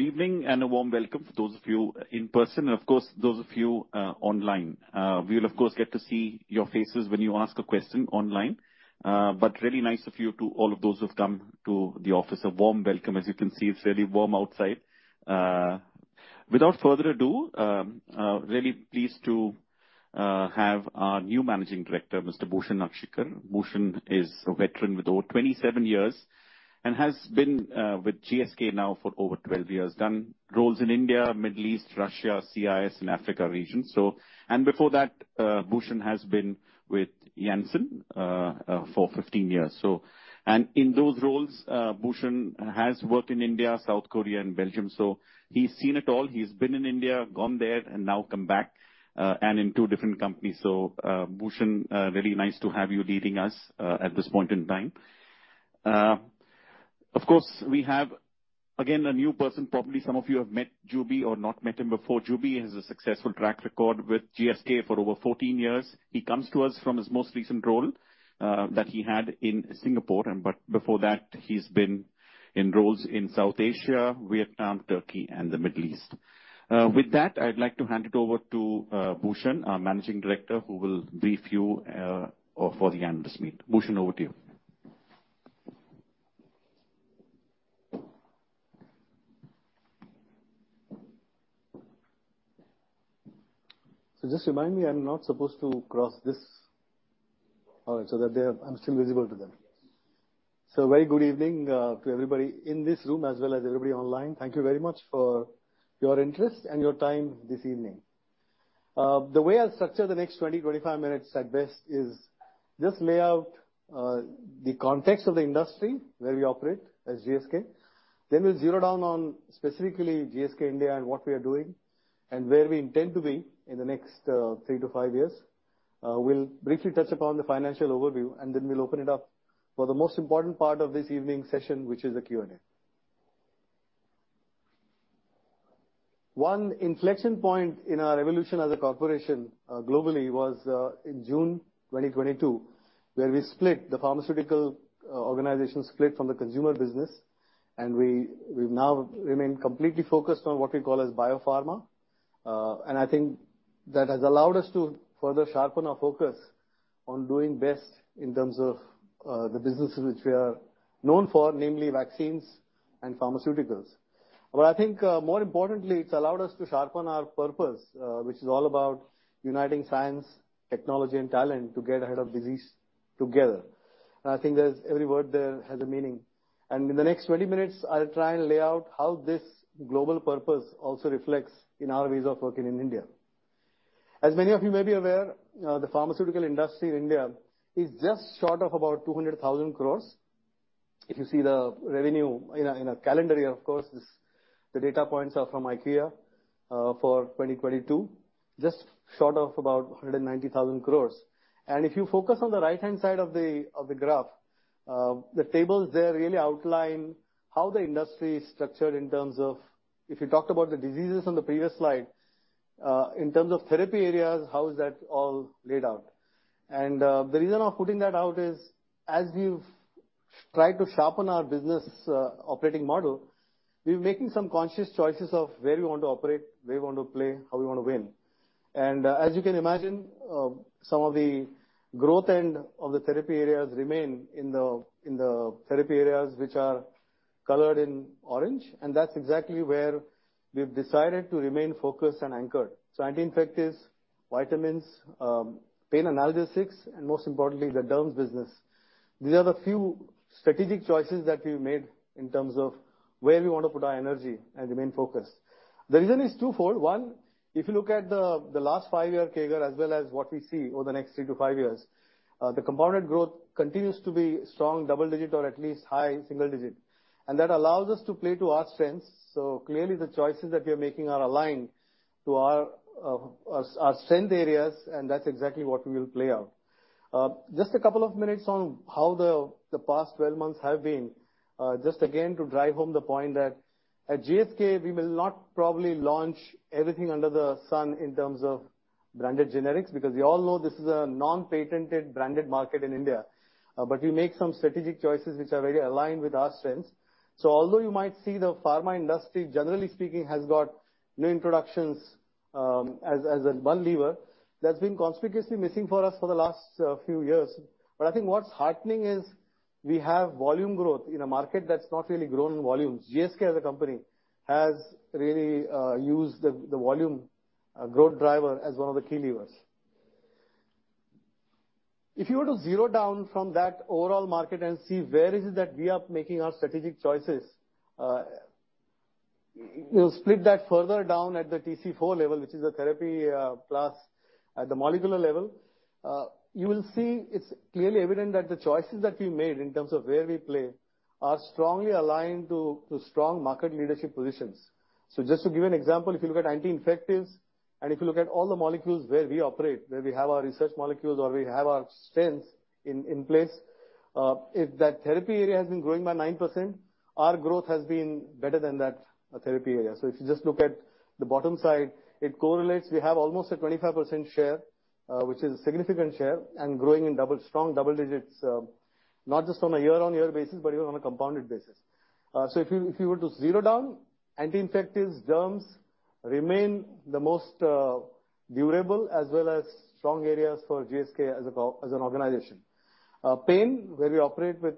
Good evening, a warm welcome for those of you in person, of course, those of you online. We'll of course, get to see your faces when you ask a question online. Really nice of you to all of those who've come to the office. A warm welcome. As you can see, it's really warm outside. Without further ado, really pleased to have our new Managing Director, Mr. Bhushan Akshikar. Bhushan is a veteran with over 27 years, has been with GSK now for over 12 years. Done roles in India, Middle East, Russia, CIS, and Africa region. Before that, Bhushan has been with Janssen for 15 years. In those roles, Bhushan has worked in India, South Korea and Belgium. He's seen it all. He's been in India, gone there, and now come back, and in two different companies. Bhushan, very nice to have you leading us at this point in time. Of course, we have, again, a new person. Probably some of you have met Juby or not met him before. Juby has a successful track record with GSK for over 14 years. He comes to us from his most recent role that he had in Singapore. Before that, he's been in roles in South Asia, Vietnam, Turkey and the Middle East. With that, I'd like to hand it over to Bhushan, our Managing Director, who will brief you for the analyst meet. Bhushan, over to you. Just remind me, I'm not supposed to cross this. All right, that I'm still visible to them. Yes. Very good evening to everybody in this room as well as everybody online. Thank you very much for your interest and your time this evening. The way I'll structure the next 20-25 minutes at best is just lay out the context of the industry where we operate as GSK. We'll zero down on specifically GSK India and what we are doing and where we intend to be in the next three to five years. We'll briefly touch upon the financial overview, and then we'll open it up for the most important part of this evening session, which is the Q&A. One inflection point in our evolution as a corporation globally was in June 2022, where we split the pharmaceutical organization split from the consumer business. We now remain completely focused on what we call as biopharma. I think that has allowed us to further sharpen our focus on doing best in terms of the businesses which we are known for, namely vaccines and pharmaceuticals. I think, more importantly, it's allowed us to sharpen our purpose, which is all about uniting science, technology and talent to get ahead of disease together. I think every word there has a meaning. In the next 20 minutes, I'll try and lay out how this global purpose also reflects in our ways of working in India. As many of you may be aware, the pharmaceutical industry in India is just short of about 200,000 crores. If you see the revenue in a calendar year, of course, the data points are from IQVIA for 2022, just short of about 190,000 crores. If you focus on the right-hand side of the, of the graph, the tables there really outline how the industry is structured in terms of... If you talked about the diseases on the previous slide, in terms of therapy areas, how is that all laid out? The reason of putting that out is, as we've tried to sharpen our business operating model, we're making some conscious choices of where we want to operate, where we want to play, how we wanna win. As you can imagine, some of the growth end of the therapy areas remain in the, in the therapy areas which are colored in orange, and that's exactly where we've decided to remain focused and anchored. Anti-infectives, vitamins, pain analgesics, and most importantly, the derms business. These are the few strategic choices that we've made in terms of where we wanna put our energy and remain focused. The reason is twofold. One, if you look at the five-year CAGR as well as what we see over the next three to five years, the compounded growth continues to be strong double digit or at least high single digit. That allows us to play to our strengths. Clearly the choices that we are making are aligned to our strength areas, and that's exactly what we will play out. Just a couple of minutes on how the 12 months have been. Just again to drive home the point that at GSK, we will not probably launch everything under the sun in terms of branded generics, because we all know this is a non-patented branded market in India. We make some strategic choices which are very aligned with our strengths. Although you might see the pharma industry, generally speaking, has got new introductions, as one lever, that's been conspicuously missing for us for the last few years. I think what's heartening is we have volume growth in a market that's not really grown in volumes. GSK as a company has really used the volume growth driver as one of the key levers. If you were to zero down from that overall market and see where is it that we are making our strategic choices, you'll split that further down at the TC4 level, which is a therapy class at the molecular level. You will see it's clearly evident that the choices that we made in terms of where we play are strongly aligned to strong market leadership positions. Just to give you an example, if you look at anti-infectives and if you look at all the molecules where we operate, where we have our research molecules or we have our strengths in place, if that therapy area has been growing by 9%, our growth has been better than that therapy area. If you just look at the bottom side, it correlates. We have almost a 25% share, which is a significant share and growing in strong double digits, not just on a year-on-year basis, but even on a compounded basis. If you were to zero down, anti-infectives, germs remain the most durable as well as strong areas for GSK as an organization. Pain, where we operate with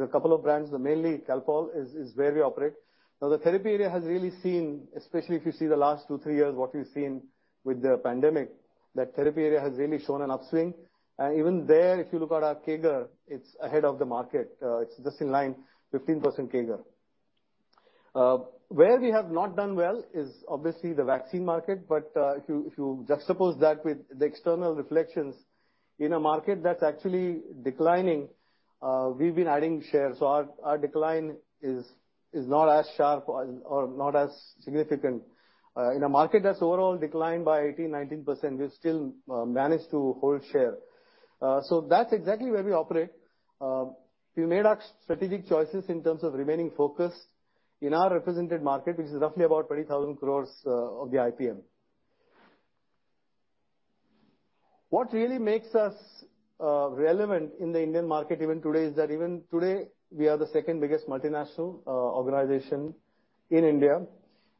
a couple of brands, mainly CALPOL is where we operate. The therapy area has really seen, especially if you see the last two, three years, what we've seen with the pandemic, that therapy area has really shown an upswing. Even there, if you look at our CAGR, it's ahead of the market. It's just in line, 15% CAGR. Where we have not done well is obviously the vaccine market. If you juxtapose that with the external reflections in a market that's actually declining, we've been adding shares. Our decline is not as sharp as or not as significant. In a market that's overall declined by 18%-19%, we've still managed to hold share. That's exactly where we operate. We made our strategic choices in terms of remaining focused in our represented market, which is roughly about 20,000 crore of the IPM. What really makes us relevant in the Indian market even today, is that even today, we are the second biggest multinational organization in India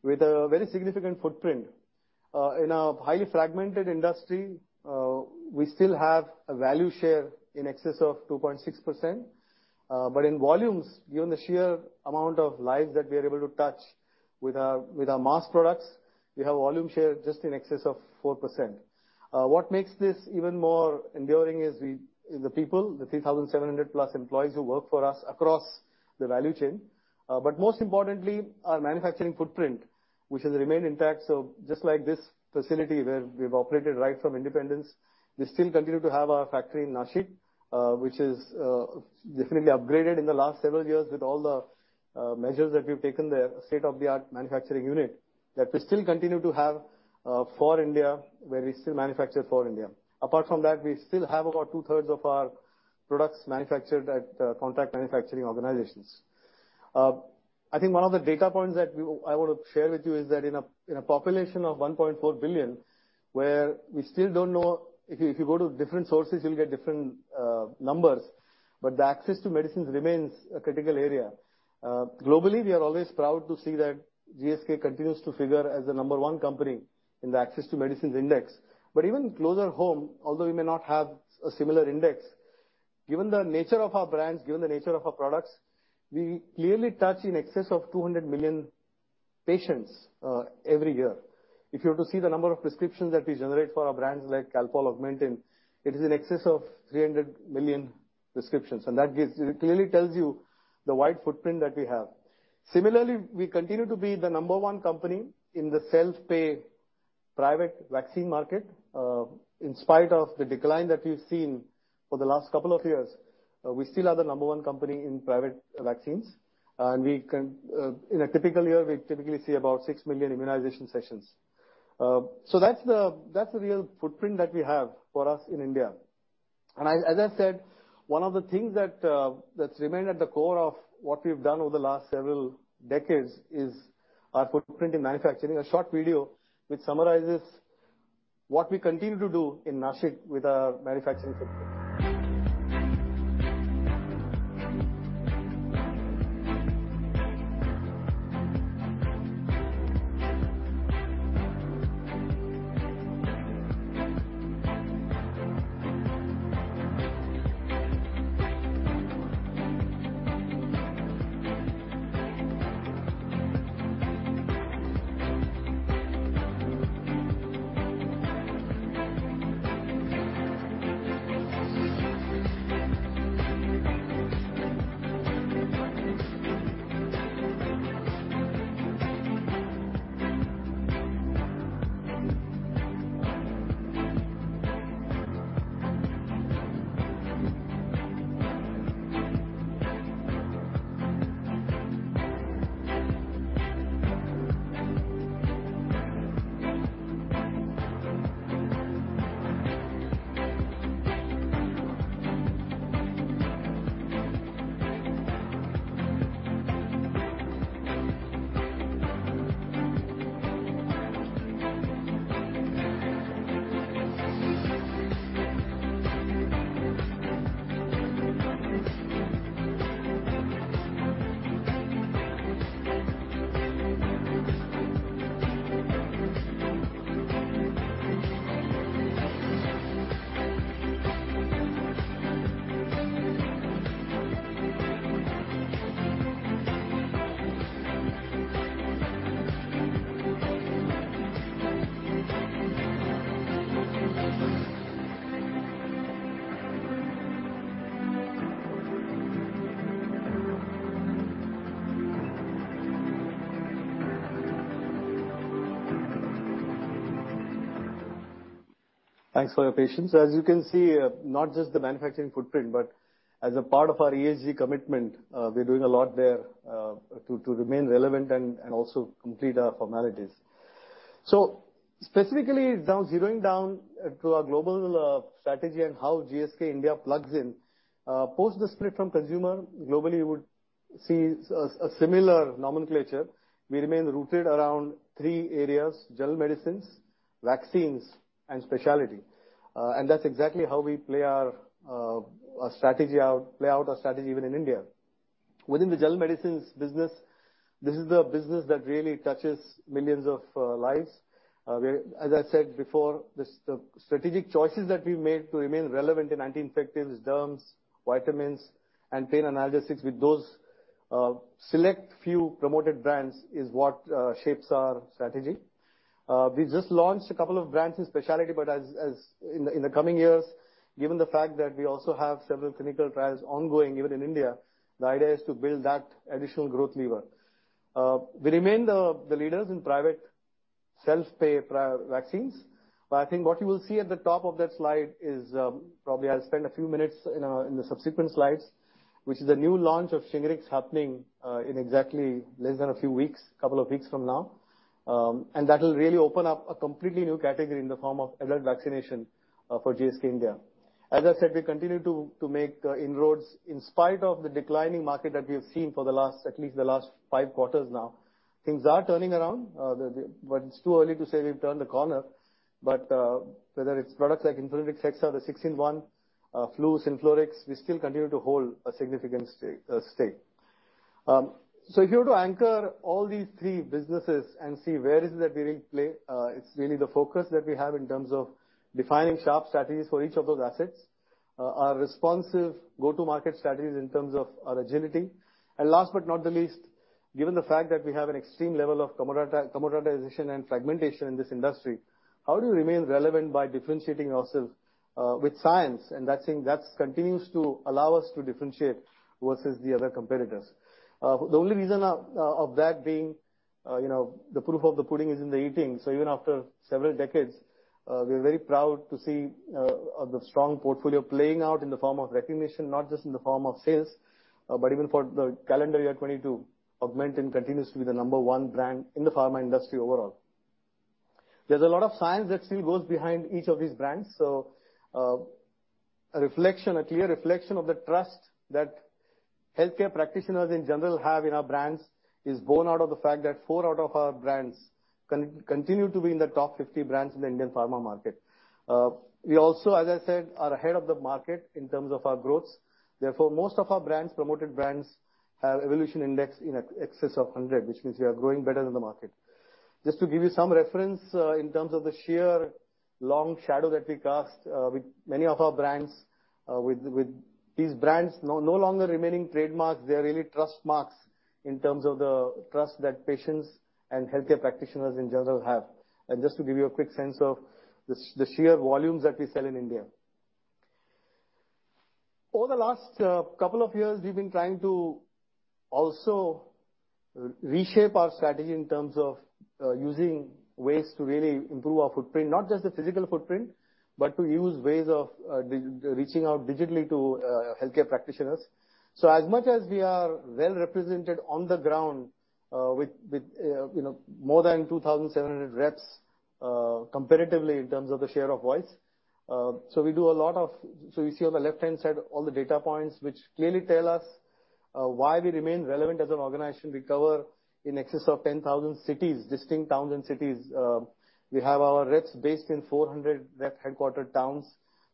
with a very significant footprint. In a highly fragmented industry, we still have a value share in excess of 2.6%. In volumes, given the sheer amount of lives that we are able to touch with our mass products, we have volume share just in excess of 4%. What makes this even more enduring is the people, the 3,700+ employees who work for us across the value chain. Most importantly, our manufacturing footprint, which has remained intact. Just like this facility where we've operated right from independence, we still continue to have our factory in Nashik, which is definitely upgraded in the last several years with all the measures that we've taken there, state-of-the-art manufacturing unit that we still continue to have for India, where we still manufacture for India. Apart from that, we still have about two-thirds of our products manufactured at contract manufacturing organizations. I think one of the data points that I wanna share with you is that in a population of 1.4 billion, where we still don't know... If you go to different sources, you'll get different numbers. The access to medicines remains a critical area. Globally, we are always proud to see that GSK continues to figure as the number one company in the access to medicines index. Even closer home, although we may not have similar index, given the nature of our brands, given the nature of our products, we clearly touch in excess of 200 million patients every year. If you were to see the number of prescriptions that we generate for our brands like CALPOL, AUGMENTIN, it is in excess of 300 million prescriptions. It clearly tells you the wide footprint that we have. We continue to be the number one company in the self-pay private vaccine market. In spite of the decline that we've seen for the last couple of years, we still are the number one company in private vaccines. We can, in a typical year, we typically see about 6 million immunization sessions. That's the real footprint that we have for us in India. As I said, one of the things that's remained at the core of what we've done over the last several decades is our footprint in manufacturing. A short video which summarizes what we continue to do in Nashik with our manufacturing footprint. Thanks for your patience. As you can see, not just the manufacturing footprint, but as a part of our ESG commitment, we're doing a lot there to remain relevant and also complete our formalities. Specifically now zeroing down to our global strategy and how GSK India plugs in. Post the split from consumer, globally you see a similar nomenclature. We remain rooted around three areas, general medicines, vaccines, and specialty. That's exactly how we play out our strategy even in India. Wiqthin the general medicines business, this is the business that really touches millions of lives. As I said before, the strategic choices that we made to remain relevant in anti-infectives, derms, vitamins, and pain analgesics with those select few promoted brands is what shapes our strategy. We just launched a couple of brands in specialty, but in the coming years, given the fact that we also have several clinical trials ongoing even in India, the idea is to build that additional growth lever. We remain the leaders in private self-pay vaccines. I think what you will see at the top of that slide is, probably I'll spend a few minutes in the subsequent slides, which is the new launch of Shingrix happening in exactly less than a few weeks, couple of weeks from now. That'll really open up a completely new category in the form of adult vaccination for GSK India. As I said, we continue to make inroads in spite of the declining market that we have seen for the last, at least the last five quarters now. Things are turning around, but it's too early to say we've turned the corner. Whether it's products like INFANRIX Hexa, the 6 in 1, Flu SYNFLORIX, we still continue to hold a significant stake. If you were to anchor all these three businesses and see where is it that we really play, it's really the focus that we have in terms of defining sharp strategies for each of those assets. Our responsive go-to-market strategies in terms of our agility. Last but not the least, given the fact that we have an extreme level of commoditization and fragmentation in this industry, how do you remain relevant by differentiating ourselves with science? That continues to allow us to differentiate versus the other competitors. The only reason of that being, you know, the proof of the pudding is in the eating. Even after several decades, we're very proud to see the strong portfolio playing out in the form of recognition, not just in the form of sales, but even for the calendar year 2022, AUGMENTIN continues to be the number one brand in the pharma industry overall. There's a lot of science that still goes behind each of these brands. A reflection, a clear reflection of the trust that healthcare practitioners in general have in our brands is born out of the fact that four out of our brands continue to be in the top 50 brands in the Indian pharma market. We also, as I said, are ahead of the market in terms of our growth. Therefore, most of our brands, promoted brands, have evolution index in excess of 100, which means we are growing better than the market. Just to give you some reference, in terms of the sheer long shadow that we cast, with many of our brands, with these brands no longer remaining trademarks, they're really trust marks in terms of the trust that patients and healthcare practitioners in general have. Just to give you a quick sense of the sheer volumes that we sell in India. Over the last couple of years, we've been trying to also re-reshape our strategy in terms of using ways to really improve our footprint, not just the physical footprint, but to use ways of reaching out digitally to healthcare practitioners. As much as we are well represented on the ground, with, you know, more than 2,700 reps comparatively in terms of the share of voice, you see on the left-hand side all the data points which clearly tell us why we remain relevant as an organization. We cover in excess of 10,000 cities, distinct towns and cities. We have our reps based in 400 rep-headquartered towns.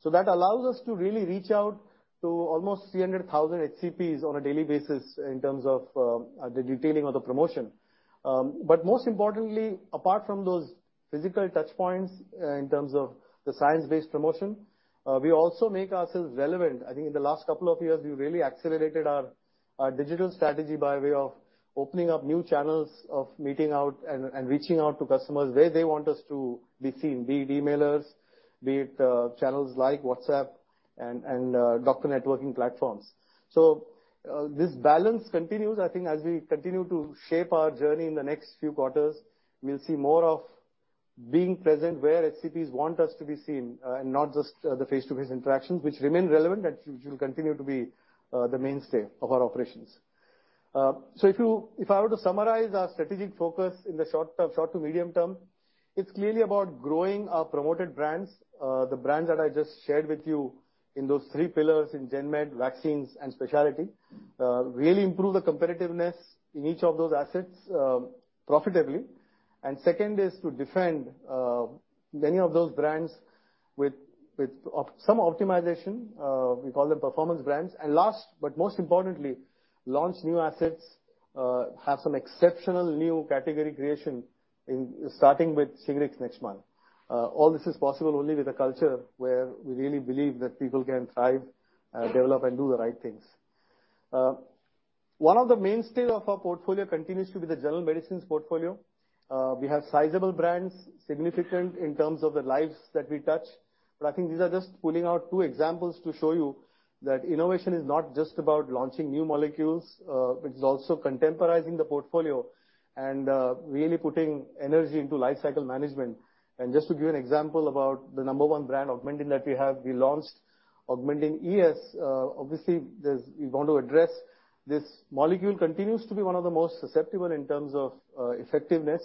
That allows us to really reach out to almost 300,000 HCPs on a daily basis in terms of the detailing or the promotion. Most importantly, apart from those physical touchpoints, in terms of the science-based promotion, we also make ourselves relevant. I think in the last couple of years, we really accelerated our digital strategy by way of opening up new channels of meeting out and reaching out to customers where they want us to be seen, be it emailers, be it channels like WhatsApp and doctor networking platforms. This balance continues. I think as we continue to shape our journey in the next few quarters, we'll see more of being present where HCPs want us to be seen, and not just the face-to-face interactions which remain relevant and which will continue to be the mainstay of our operations. If I were to summarize our strategic focus in the short term, short to medium term, it's clearly about growing our promoted brands, the brands that I just shared with you in those three pillars in gen med, vaccines, and specialty. Really improve the competitiveness in each of those assets, profitably. Second is to defend many of those brands with some optimization, we call them performance brands. Last, but most importantly, launch new assets, have some exceptional new category creation starting with Shingrix next month. All this is possible only with a culture where we really believe that people can thrive, develop and do the right things. One of the mainstay of our portfolio continues to be the general medicines portfolio. We have sizable brands, significant in terms of the lives that we touch. I think these are just pulling out two examples to show you that innovation is not just about launching new molecules, but it's also contemporizing the portfolio and really putting energy into life cycle management. Just to give you an example about the number one brand, AUGMENTIN, that we have. We launched AUGMENTIN ES. Obviously, we want to address this molecule continues to be one of the most susceptible in terms of effectiveness,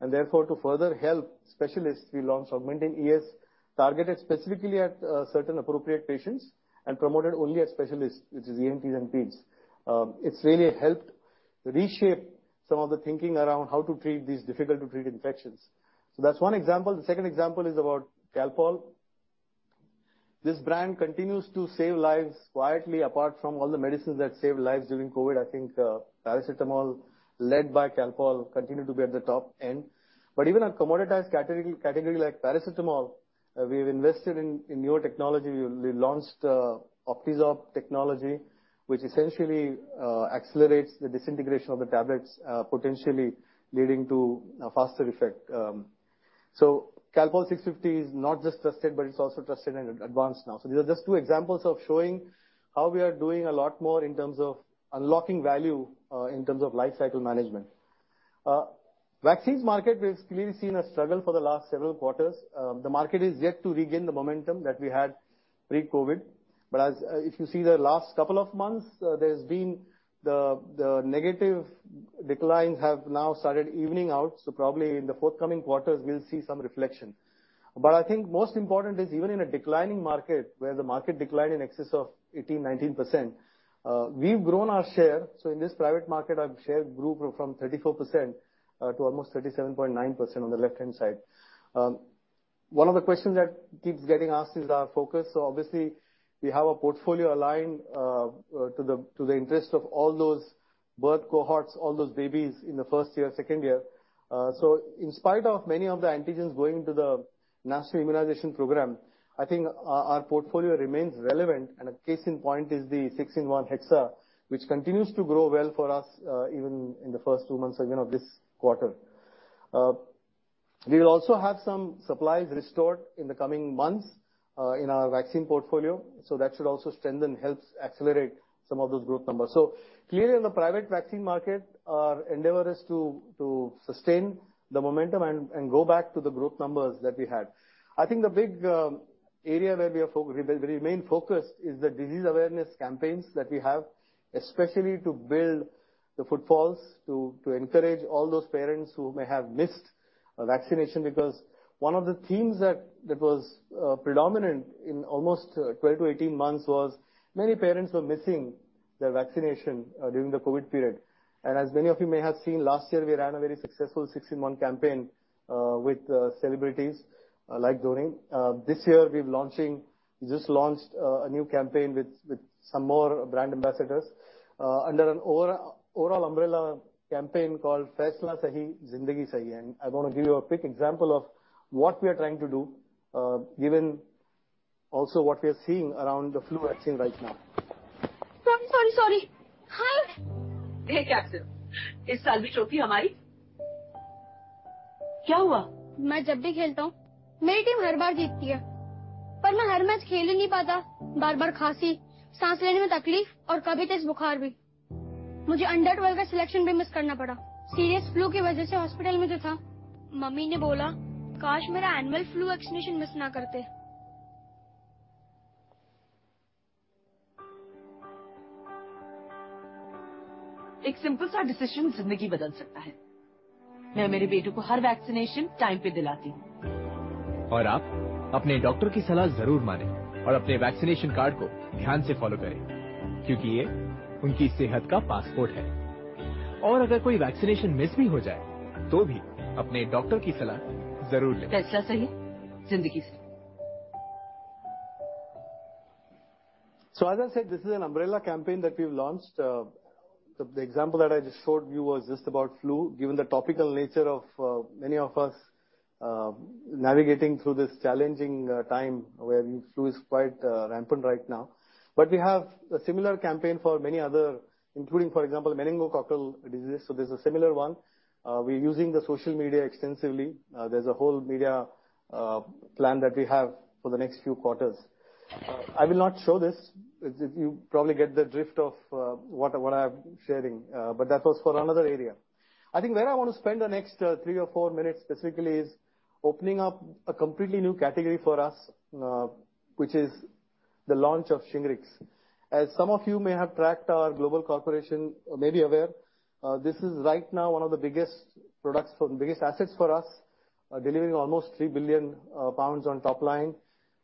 and therefore to further help specialists, we launched AUGMENTIN ES targeted specifically at certain appropriate patients and promoted only at specialists, which is ENTs and Peds. It's really To reshape some of the thinking around how to treat these difficult to treat infections. That's one example. The second example is about CALPOL. This brand continues to save lives quietly. Apart from all the medicines that saved lives during COVID, I think, paracetamol, led by CALPOL, continued to be at the top end. Even a commoditized category like paracetamol, we've invested in newer technology. We launched Optizorb technology, which essentially accelerates the disintegration of the tablets, potentially leading to a faster effect. CALPOL 650 is not just trusted, but it's also trusted and advanced now. These are just two examples of showing how we are doing a lot more in terms of unlocking value, in terms of lifecycle management. Vaccines market, we've clearly seen a struggle for the last several quarters. The market is yet to regain the momentum that we had pre-COVID. As... If you see the last couple of months, there's been the negative declines have now started evening out, so probably in the forthcoming quarters we'll see some reflection. I think most important is even in a declining market, where the market declined in excess of 18%, 19%, we've grown our share. In this private market, our share grew from 34% to almost 37.9% on the left-hand side. One of the questions that keeps getting asked is our focus. Obviously we have a portfolio aligned to the interest of all those birth cohorts, all those babies in the first year, second year. In spite of many of the antigens going to the National Immunization Program, I think our portfolio remains relevant. A case in point is the 6-in-1 Hexa, which continues to grow well for us, even in the first two months even of this quarter. We will also have some supplies restored in the coming months, in our vaccine portfolio, that should also strengthen, helps accelerate some of those growth numbers. Clearly in the private vaccine market, our endeavor is to sustain the momentum and go back to the growth numbers that we had. I think the big area where we remain focused is the disease awareness campaigns that we have, especially to build the footfalls to encourage all those parents who may have missed a vaccination. One of the themes that was predominant in almost 12 to 18 months was many parents were missing their vaccination during the COVID period. As many of you may have seen, last year we ran a very successful 6-in-1 campaign, with celebrities, like Dhoni. This year we just launched a new campaign with some more brand ambassadors, under an overall umbrella campaign called Faisla Sahi, Zindagi Sahi. I wanna give you a quick example of what we are trying to do, given also what we are seeing around the flu vaccine right now. Sorry. Hi. Take action. As I said, this is an umbrella campaign that we've launched. The example that I just showed you was just about flu, given the topical nature of many of us navigating through this challenging time where flu is quite rampant right now. We have a similar campaign for many other including, for example, meningococcal disease, so there's a similar one. We're using the social media extensively. There's a whole media plan that we have for the next few quarters. I will not show this. You probably get the drift of what I'm sharing, but that was for another area. I think where I wanna spend the next three or four minutes specifically is opening up a completely new category for us, which is the launch of Shingrix. As some of you may have tracked our global corporation, may be aware, this is right now one of the biggest assets for us, delivering almost 3 billion pounds on top line.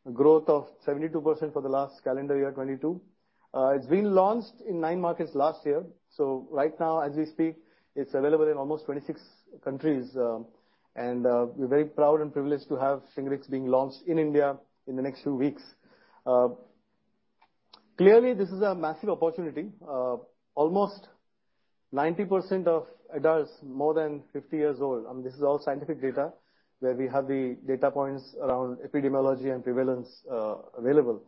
A growth of 72% for the last calendar year, 2022. It's been launched in nine markets last year, so right now as we speak, it's available in almost 26 countries. We're very proud and privileged to have Shingrix being launched in India in the next few weeks. Clearly this is a massive opportunity. Almost 90% of adults more than 50 years old, and this is all scientific data, where we have the data points around epidemiology and prevalence available,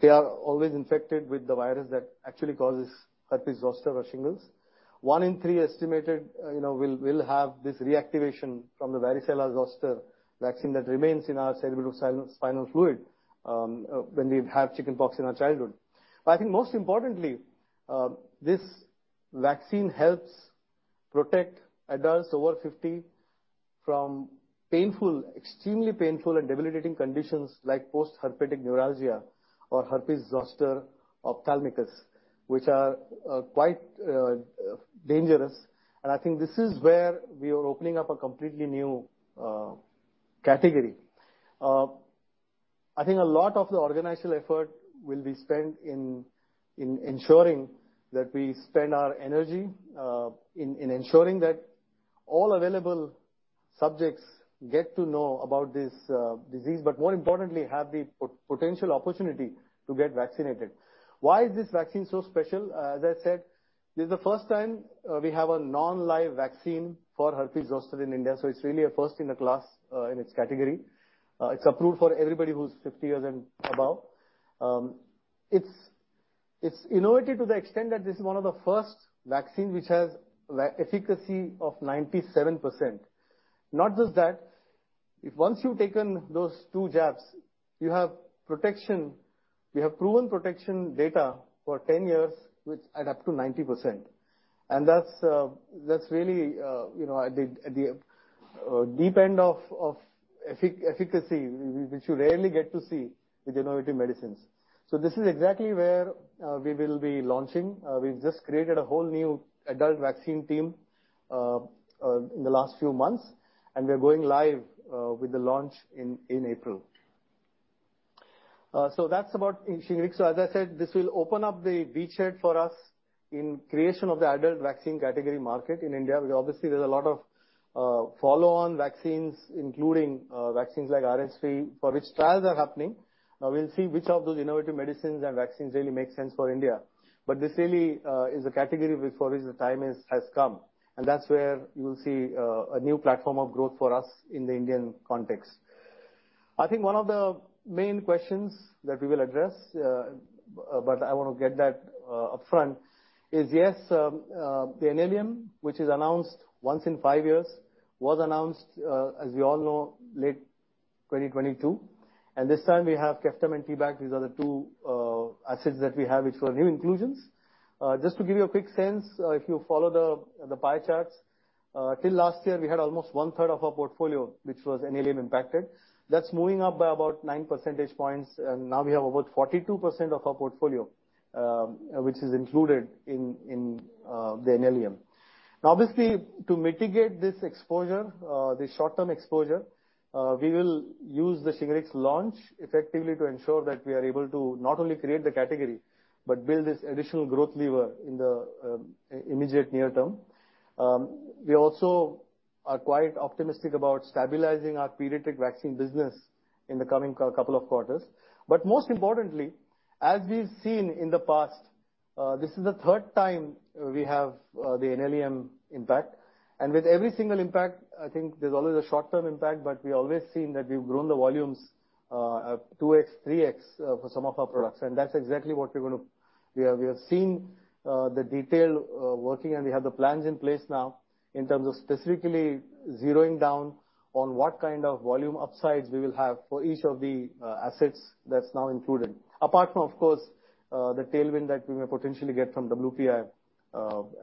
they are always infected with the virus that actually causes herpes zoster or shingles. One in three estimated, you know, will have this reactivation from the varicella-zoster vaccine that remains in our cerebrospinal fluid when we have chickenpox in our childhood. I think most importantly, this vaccine helps protect adults over 50 from painful, extremely painful and debilitating conditions like post-herpetic neuralgia or herpes zoster ophthalmicus, which are quite dangerous. I think this is where we are opening up a completely new category. I think a lot of the organizational effort will be spent in ensuring that we spend our energy in ensuring that all available subjects get to know about this disease, but more importantly, have the potential opportunity to get vaccinated. Why is this vaccine so special? As I said, this is the first time we have a non-live vaccine for herpes zoster in India, so it's really a first in the class in its category. It's approved for everybody who's 50 years and above. It's, it's innovative to the extent that this is one of the first vaccine which has efficacy of 97%. Not just that, if once you've taken those two jabs, you have protection. We have proven protection data for 10 years, which add up to 90%. That's really, you know, at the, at the deep end of efficacy which you rarely get to see with innovative medicines. This is exactly where we will be launching. We've just created a whole new adult vaccine team in the last few months, and we are going live with the launch in April. That's about Shingrix. As I said, this will open up the beachhead for us in creation of the adult vaccine category market in India. We obviously, there's a lot of follow-on vaccines, including vaccines like RSV, for which trials are happening. Now we'll see which of those innovative medicines and vaccines really make sense for India. This really is a category for which the time has come, and that's where you'll see a new platform of growth for us in the Indian context. I think one of the main questions that we will address, but I wanna get that upfront is yes, the NLEM, which is announced once in five years, was announced, as we all know, late 2022. This time we have KEFTAB and TIVDAK, these are the two assets that we have, which were new inclusions. Just to give you a quick sense, if you follow the pie charts, till last year, we had almost one-third of our portfolio which was NLEM impacted. That's moving up by about 9 percentage points, and now we have about 42% of our portfolio, which is included in the NLEM. Obviously, to mitigate this exposure, the short-term exposure, we will use the Shingrix launch effectively to ensure that we are able to not only create the category, but build this additional growth lever in the immediate near term. We also are quite optimistic about stabilizing our pediatric vaccine business in the coming couple of quarters. Most importantly, as we've seen in the past, this is the third time we have the NLEM impact. With every single impact, I think there's always a short-term impact, but we always seen that we've grown the volumes 2x, 3x for some of our products. That's exactly what we're gonna... We have seen the detail working, and we have the plans in place now in terms of specifically zeroing down on what kind of volume upsides we will have for each of the assets that's now included. Apart from, of course, the tailwind that we may potentially get from WPI,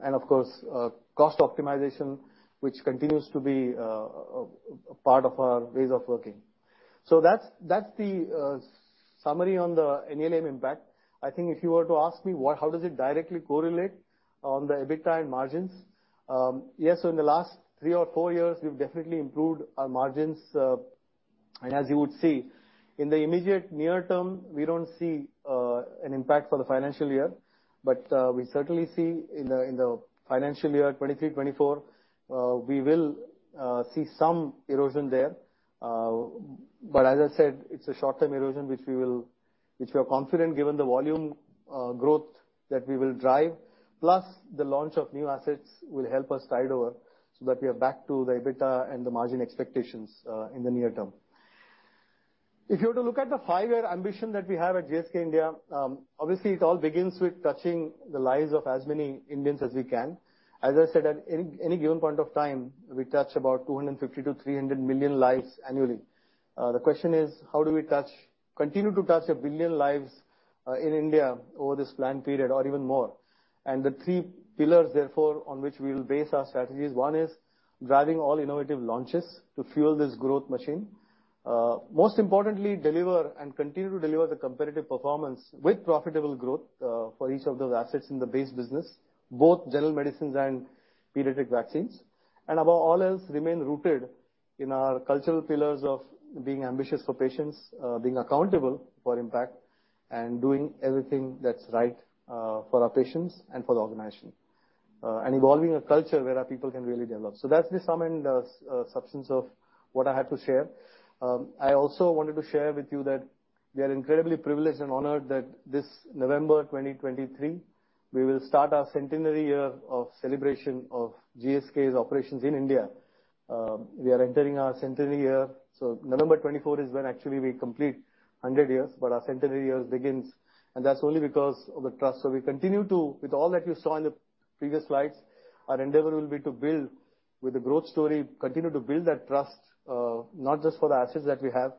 and of course, cost optimization, which continues to be a part of our ways of working. That's the summary on the NLEM impact. I think if you were to ask me how does it directly correlate on the EBITDA and margins? Yes, in the last three or four years, we've definitely improved our margins. As you would see, in the immediate near term, we don't see an impact for the financial year, we certainly see in the financial year 2023-2024, we will see some erosion there. As I said, it's a short-term erosion which we are confident given the volume growth that we will drive, plus the launch of new assets will help us tide over so that we are back to the EBITDA and the margin expectations in the near term. If you were to look at the five-year ambition that we have at GSK India, obviously it all begins with touching the lives of as many Indians as we can. As I said, at any given point of time, we touch about 250 million-300 million lives annually. The question is: How do we touch, continue to touch 1 billion lives in India over this plan period or even more? The three pillars therefore on which we will base our strategies, one is driving all innovative launches to fuel this growth machine. Most importantly, deliver and continue to deliver the competitive performance with profitable growth for each of those assets in the base business, both general medicines and pediatric vaccines. Above all else, remain rooted in our cultural pillars of being ambitious for patients, being accountable for impact, and doing everything that's right for our patients and for the organization. Evolving a culture where our people can really develop. That's the sum and substance of what I had to share. I also wanted to share with you that we are incredibly privileged and honored that this November 2023, we will start our centenary year of celebration of GSK's operations in India. We are entering our centenary year, so November 2024 is when actually we complete 100 years. Our centenary years begins, and that's only because of the trust. We continue to, with all that you saw in the previous slides, our endeavor will be to build with the growth story, continue to build that trust, not just for the assets that we have,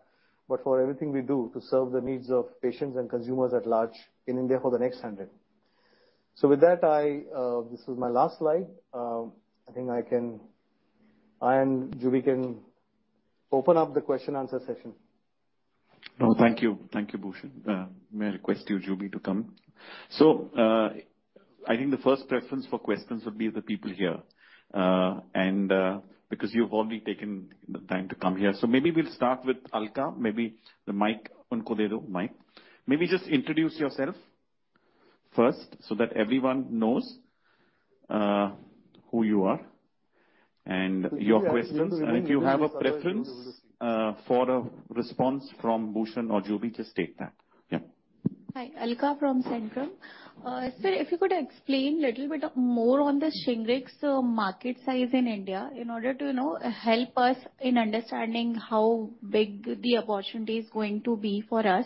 but for everything we do to serve the needs of patients and consumers at large in India for the next 100. With that, I, this is my last slide. I think I and Juby can open up the question and answer session. Oh, thank you. Thank you, Bhushan. May I request you, Juby, to come? I think the first preference for questions would be the people here, and, because you've already taken the time to come here. Maybe we'll start with Alka. Maybe the mic, unko dedo. Maybe just introduce yourself first so that everyone knows, who you are and your questions. If you have a preference, for a response from Bhushan or Juby, just state that. Yeah. Hi, Alka from Centrum. Sir, if you could explain a little bit more on the Shingrix market size in India in order to, you know, help us in understanding how big the opportunity is going to be for us.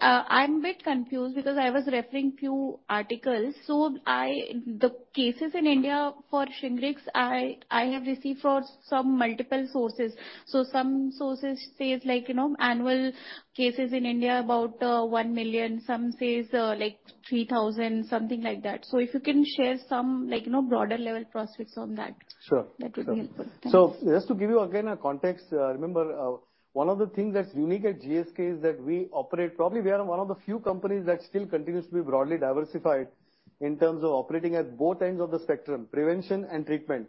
I'm a bit confused because I was referring few articles. The cases in India for Shingrix, I have received for some multiple sources. Some sources says, like, you know, annual cases in India about 1 million, some says, like 3,000, something like that. If you can share some like, you know, broader level prospects on that. Sure. That would be helpful. Thanks. Just to give you again a context. Remember, one of the things that's unique at GSK is that we operate. Probably we are one of the few companies that still continues to be broadly diversified in terms of operating at both ends of the spectrum, prevention and treatment.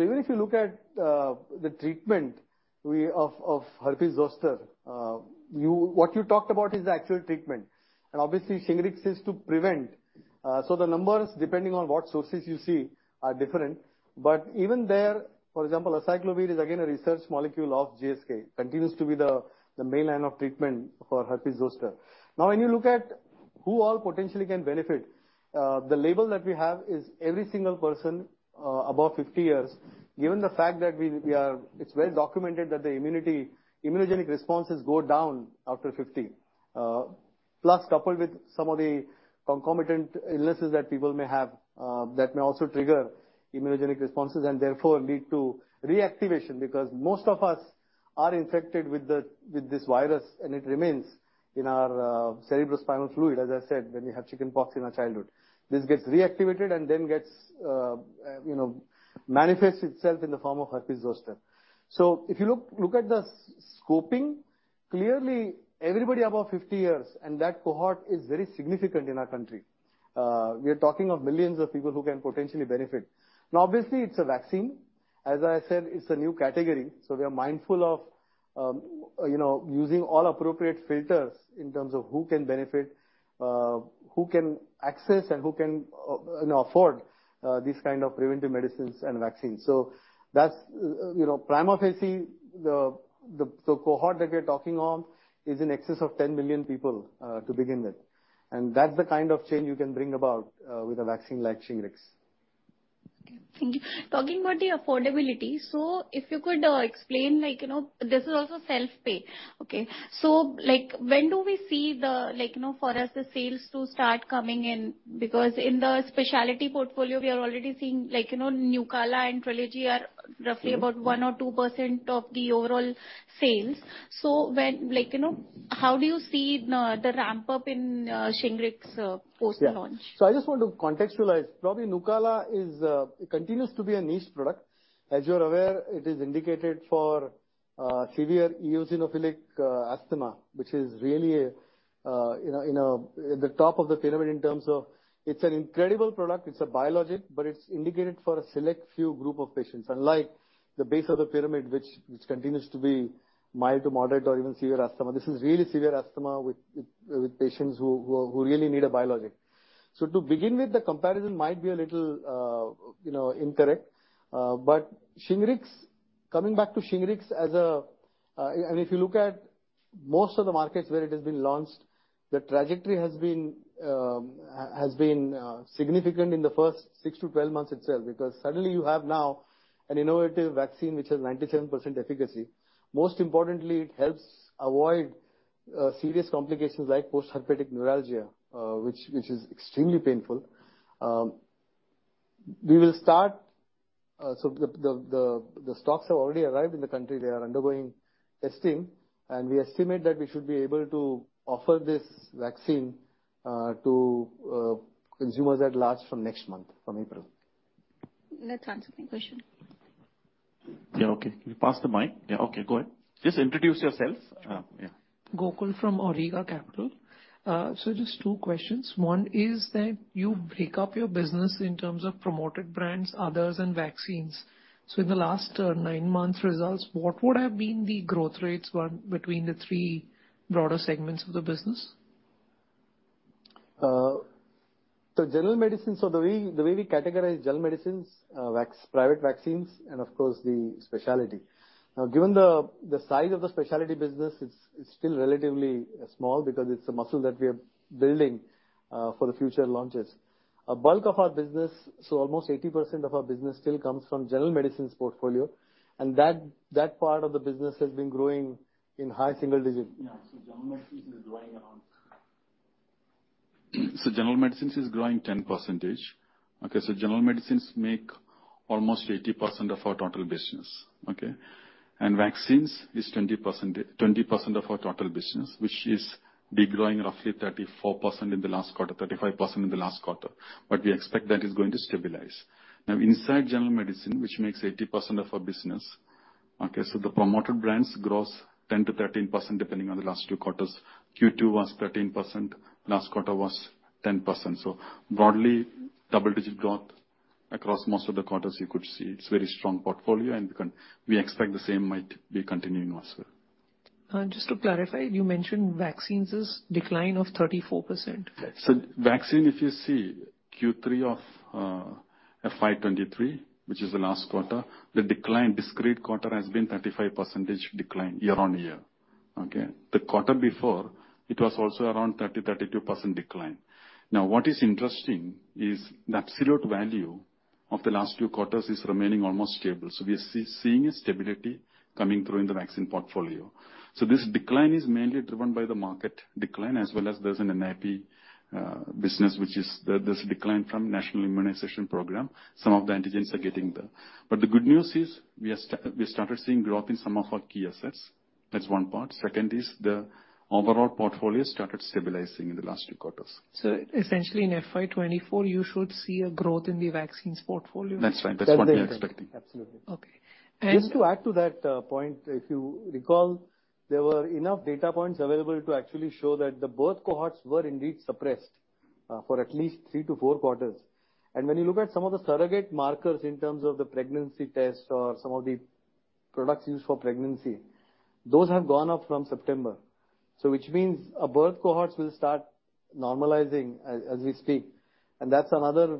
Even if you look at the treatment of herpes zoster, what you talked about is the actual treatment and obviously Shingrix is to prevent, so the numbers, depending on what sources you see, are different. Even there, for example, acyclovir is again a research molecule of GSK, continues to be the mainline of treatment for herpes zoster. When you look at who all potentially can benefit, the label that we have is every single person above 50 years. Given the fact that it's well documented that the immunogenic responses go down after 50 plus coupled with some of the concomitant illnesses that people may have, that may also trigger immunogenic responses and therefore lead to reactivation. Most of us are infected with this virus and it remains in our cerebrospinal fluid, as I said, when we have chickenpox in our childhood. This gets reactivated and then gets, you know, manifests itself in the form of herpes zoster. If you look at the scoping, clearly everybody above 50 years, and that cohort is very significant in our country. We are talking of millions of people who can potentially benefit. Now obviously, it's a vaccine. As I said, it's a new category, so we are mindful of, you know, using all appropriate filters in terms of who can benefit, who can access and who can, you know, afford, these kind of preventive medicines and vaccines. That's, you know, prima facie, the cohort that we're talking of is in excess of 10 million people, to begin with. That's the kind of change you can bring about, with a vaccine like Shingrix. Okay, thank you. Talking about the affordability, if you could explain like, you know, this is also self-pay. Okay, like when do we see the, like, you know, for us the sales to start coming in? Because in the specialty portfolio we are already seeing like, you know, NUCALA and TRELEGY are roughly about 1% or 2% of the overall sales. When like, you know, how do you see the ramp up in Shingrix post-launch? Yeah. I just want to contextualize. Probably NUCALA is continues to be a niche product. As you are aware, it is indicated for severe eosinophilic asthma, which is really, you know, you know, the top of the pyramid in terms of it's an incredible product. It's a biologic, but it's indicated for a select few group of patients, unlike the base of the pyramid, which continues to be mild to moderate or even severe asthma. This is really severe asthma with patients who really need a biologic. To begin with, the comparison might be a little, you know, incorrect. Shingrix, coming back to Shingrix as a, if you look at most of the markets where it has been launched, the trajectory has been significant in the first six to 12 months itself. Suddenly you have now an innovative vaccine which has 97% efficacy. Most importantly, it helps avoid serious complications like post-herpetic neuralgia, which is extremely painful. We will start, the stocks have already arrived in the country. They are undergoing testing, we estimate that we should be able to offer this vaccine to consumers at large from next month, from April. That answers my question. Yeah. Okay. Can you pass the mic? Yeah. Okay, go ahead. Just introduce yourself. Yeah. Gokul from Awriga Capital. Just two questions. One is that you break up your business in terms of promoted brands, others and vaccines. In the last nine months results, what would have been the growth rates between the three broader segments of the business? The general medicines, the way we categorize general medicines, private vaccines and of course the speciality. Given the size of the speciality business, it is still relatively small because it is a muscle that we are building for the future launches. A bulk of our business, almost 80% of our business still comes from general medicines portfolio. That part of the business has been growing in high single digits. Yeah. General medicines is growing 10%. General medicines make almost 80% of our total business. Vaccines is 20% of our total business, which is de-growing roughly 34% in the last quarter, 35% in the last quarter. We expect that is going to stabilize. Inside general medicine, which makes 80% of our business. The promoted brands grows 10%-13% depending on the last two quarters. Q2 was 13%, last quarter was 10%. Broadly, double-digit growth across most of the quarters you could see. It's very strong portfolio, and we expect the same might be continuing also. Just to clarify, you mentioned vaccines is decline of 34%. Vaccine, if you see Q3 of FY 2023, which is the last quarter, the decline discrete quarter has been 35% decline year-over-year. Okay. The quarter before it was also around 30%-32% decline. What is interesting is that sales value of the last two quarters is remaining almost stable. We are seeing a stability coming through in the vaccine portfolio. This decline is mainly driven by the market decline, as well as there's an NIP business which is the decline from National Immunization Program. Some of the antigens are getting there. The good news is we started seeing growth in some of our key assets. That's one part. Second is the overall portfolio started stabilizing in the last two quarters. Essentially in FY 2024 you should see a growth in the vaccines portfolio? That's right. That's what we are expecting. That's what we are expecting. Absolutely. Okay. Just to add to that point, if you recall, there were enough data points available to actually show that the birth cohorts were indeed suppressed for at least three to four quarters. When you look at some of the surrogate markers in terms of the pregnancy test or some of the products used for pregnancy, those have gone up from September. Which means our birth cohorts will start normalizing as we speak. That's another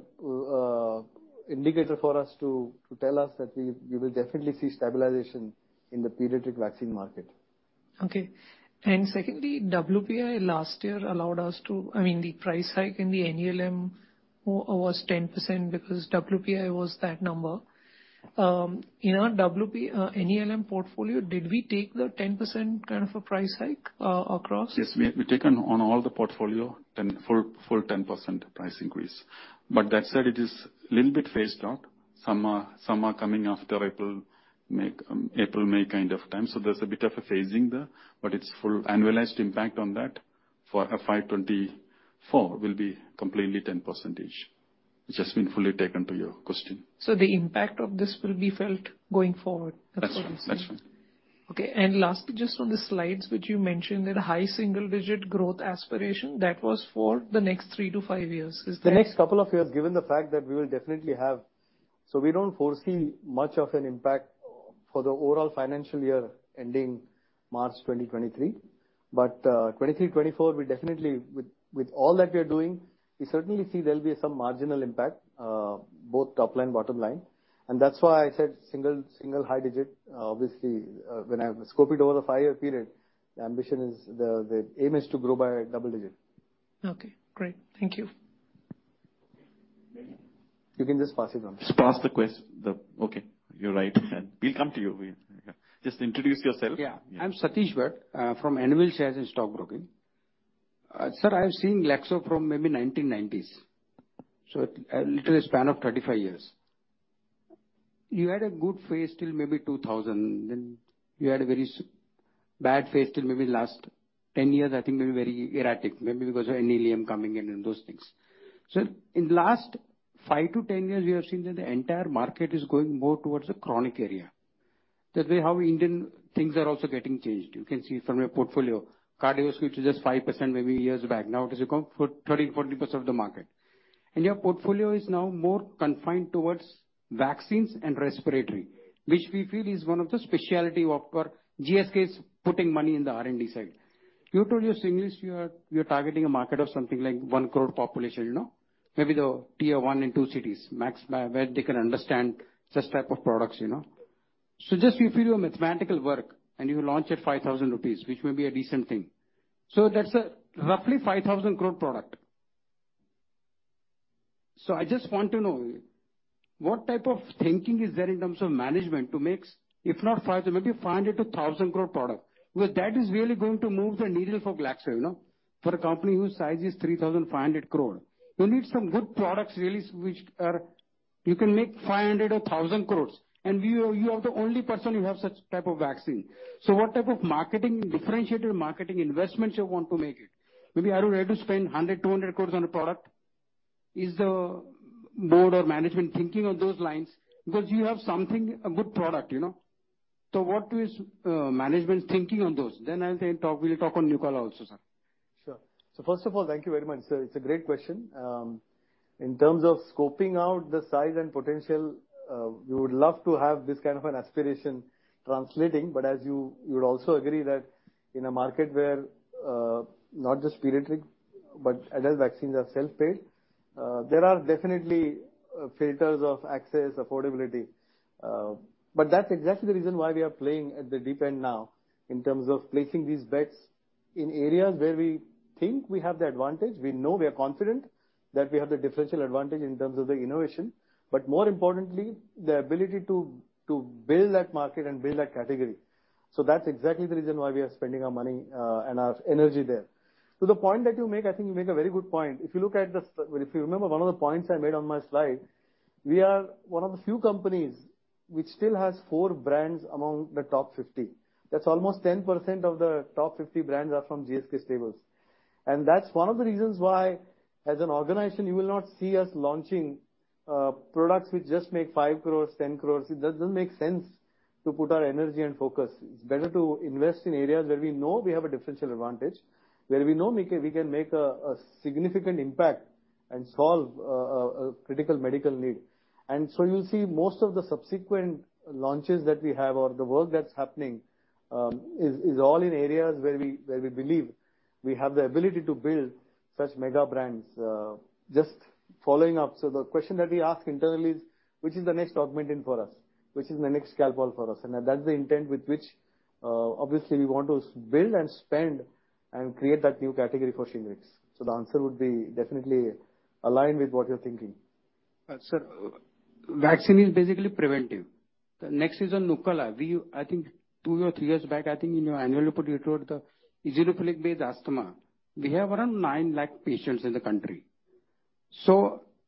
indicator for us to tell us that we will definitely see stabilization in the pediatric vaccine market. Okay. Secondly, WPI last year allowed us. I mean, the price hike in the NLEM was 10% because WPI was that number. In our NLEM portfolio, did we take the 10% kind of a price hike across? Yes, we taken on all the portfolio 10, full 10% price increase. That said, it is little bit phased out. Some are coming after April, May kind of time. There's a bit of a phasing there, but it's full annualized impact on that for FY 2024 will be completely 10%. It's just been fully taken to your question. The impact of this will be felt going forward. That's right. That's right. Okay. Lastly, just on the slides, which you mentioned that high single-digit growth aspiration, that was for the next three to five years. Is that... The next couple of years, given the fact that we will definitely have... We don't foresee much of an impact for the overall financial year ending March 2023. 2023/2024, we definitely with all that we are doing, we certainly see there'll be some marginal impact, both top line, bottom line. That's why I said single high digit. Obviously, when I scope it over a five-year period, the ambition is the aim is to grow by double digit. Okay, great. Thank you. You can just pass it on. Just pass. Okay, you're right. We'll come to you. Yeah. Just introduce yourself. Yeah. Yeah. I'm Satish Bhatt, from Anvil Shares & Stock Broking. Sir, I have seen Glaxo from maybe 1990s. A literally span of 35 years. You had a good phase till maybe 2000, you had a very bad phase till maybe last 10 years, I think maybe very erratic, maybe because of NLEM coming in and those things. In the last five to 10 years, we have seen that the entire market is going more towards the chronic area. That way, how Indian things are also getting changed. You can see from your portfolio, cardio switch is just 5% maybe years back. Now it has account for 30%, 40% of the market. Your portfolio is now more confined towards vaccines and respiratory, which we feel is one of the specialty of GSK is putting money in the R&D side. You told your Shingrix you're targeting a market of something like 1 crore population, you know? Maybe the tier one and two cities, max, where they can understand such type of products, you know. Just if you do a mathematical work and you launch at 5,000 rupees, which may be a decent thing. That's a roughly 5,000 crore product. I just want to know what type of thinking is there in terms of management to make, if not five, maybe 500 crore-1,000 crore product, because that is really going to move the needle for Glaxo, you know? For a company whose size is 3,500 crore. You need some good products really which are. You can make 500 or 1,000 crores. You, you are the only person who have such type of vaccine. What type of marketing, differentiated marketing investments you want to make it? Maybe are you ready to spend 100 crores-200 crores on a product? Is the board or management thinking on those lines? You have something, a good product, you know. What is management thinking on those? I'll say talk, we'll talk on NUCALA also, sir. Sure. First of all, thank you very much, sir. It's a great question. In terms of scoping out the size and potential, we would love to have this kind of an aspiration translating, but as you would also agree that in a market where, not just pediatric but adult vaccines are self-paid, there are definitely filters of access, affordability. But that's exactly the reason why we are playing at the deep end now in terms of placing these bets in areas where we think we have the advantage. We know, we are confident that we have the differential advantage in terms of the innovation, but more importantly, the ability to build that market and build that category. That's exactly the reason why we are spending our money and our energy there. The point that you make, I think you make a very good point. If you remember one of the points I made on my slide, we are one of the few companies which still has four brands among the top 50. That's almost 10% of the top 50 brands are from GSK stables. That's one of the reasons why, as an organization, you will not see us launching products which just make 5 crores, 10 crores, it doesn't make sense to put our energy and focus. It's better to invest in areas where we know we have a differential advantage, where we know we can make a significant impact and solve a critical medical need. You'll see most of the subsequent launches that we have or the work that's happening is all in areas where we believe we have the ability to build such mega brands. Just following up, the question that we ask internally is which is the next AUGMENTIN for us? Which is the next CALPOL for us? That's the intent with which obviously we want to build and spend and create that new category for Shingrix. The answer would be definitely aligned with what you're thinking. Sir, vaccine is basically preventive. The next is on NUCALA. I think two or three years back, I think in your annual report you told the eosinophilic-based asthma, we have around 9 lakh patients in the country.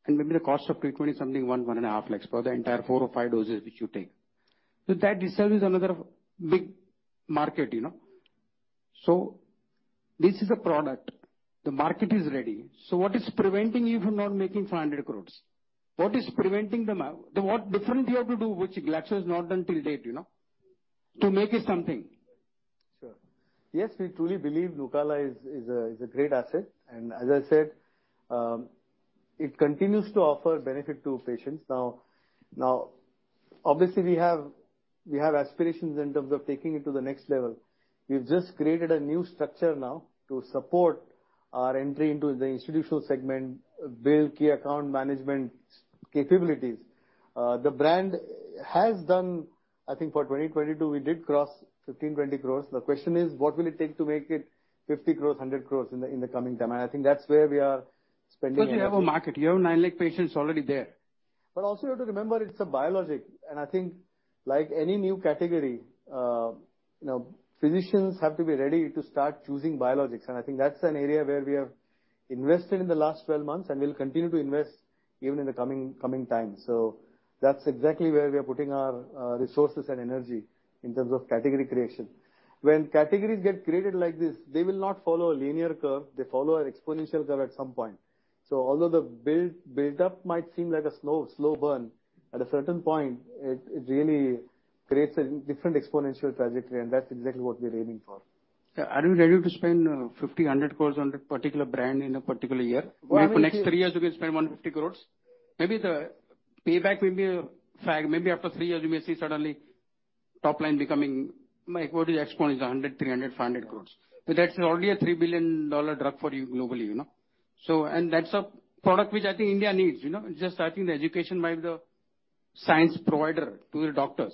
And maybe the cost of treatment is something 1 lakhs-1.5 lakhs for the entire four or five doses which you take. That itself is another big market, you know. This is a product, the market is ready. What is preventing you from not making 500 crores? What is preventing the what different you have to do, which Glaxo has not done till date, you know, to make it something? Sure. Yes, we truly believe NUCALA is a great asset. As I said, it continues to offer benefit to patients. Now, obviously we have aspirations in terms of taking it to the next level. We've just created a new structure now to support our entry into the institutional segment, build key account management capabilities. The brand has done, I think for 2022, we did cross 15 crores-20 crores. The question is, what will it take to make it 50 crores, 100 crores in the coming time? I think that's where we are spending. You have a market. You have 9 lakh patients already there. Also you have to remember it's a biologic. I think like any new category, you know, physicians have to be ready to start choosing biologics. I think that's an area where we have invested in the last 12 months, and we'll continue to invest even in the coming time. That's exactly where we are putting our resources and energy in terms of category creation. When categories get created like this, they will not follow a linear curve, they follow an exponential curve at some point. Although the build up might seem like a slow burn, at a certain point, it really creates a different exponential trajectory, and that's exactly what we're aiming for. Yeah. Are you ready to spend 50 crores-100 crores on that particular brand in a particular year? Why would you-? For next three years, you can spend 150 crores. Maybe the payback will be maybe after three years, you may see suddenly top line becoming like 100 crores, 300 crores, 500 crores. That's already a $3 billion drug for you globally, you know? That's a product which I think India needs, you know. It's just I think the education by the science provider to your doctors.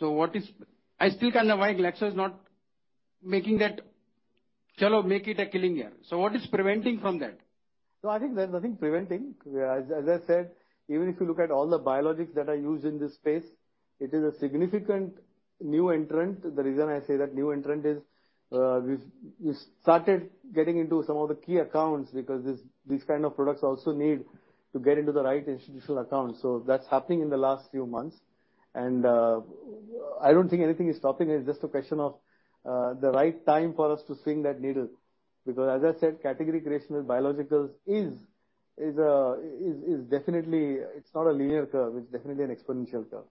I still cannot why Glaxo is not making that, "Chalo, make it a killing year." What is preventing from that? No, I think there's nothing preventing. As I said, even if you look at all the biologics that are used in this space, it is a significant new entrant. The reason I say that new entrant is, we've started getting into some of the key accounts because these kind of products also need to get into the right institutional accounts. That's happening in the last few months. I don't think anything is stopping it. It's just a question of the right time for us to swing that needle. As I said, category creation in biologicals is definitely, it's not a linear curve, it's definitely an exponential curve.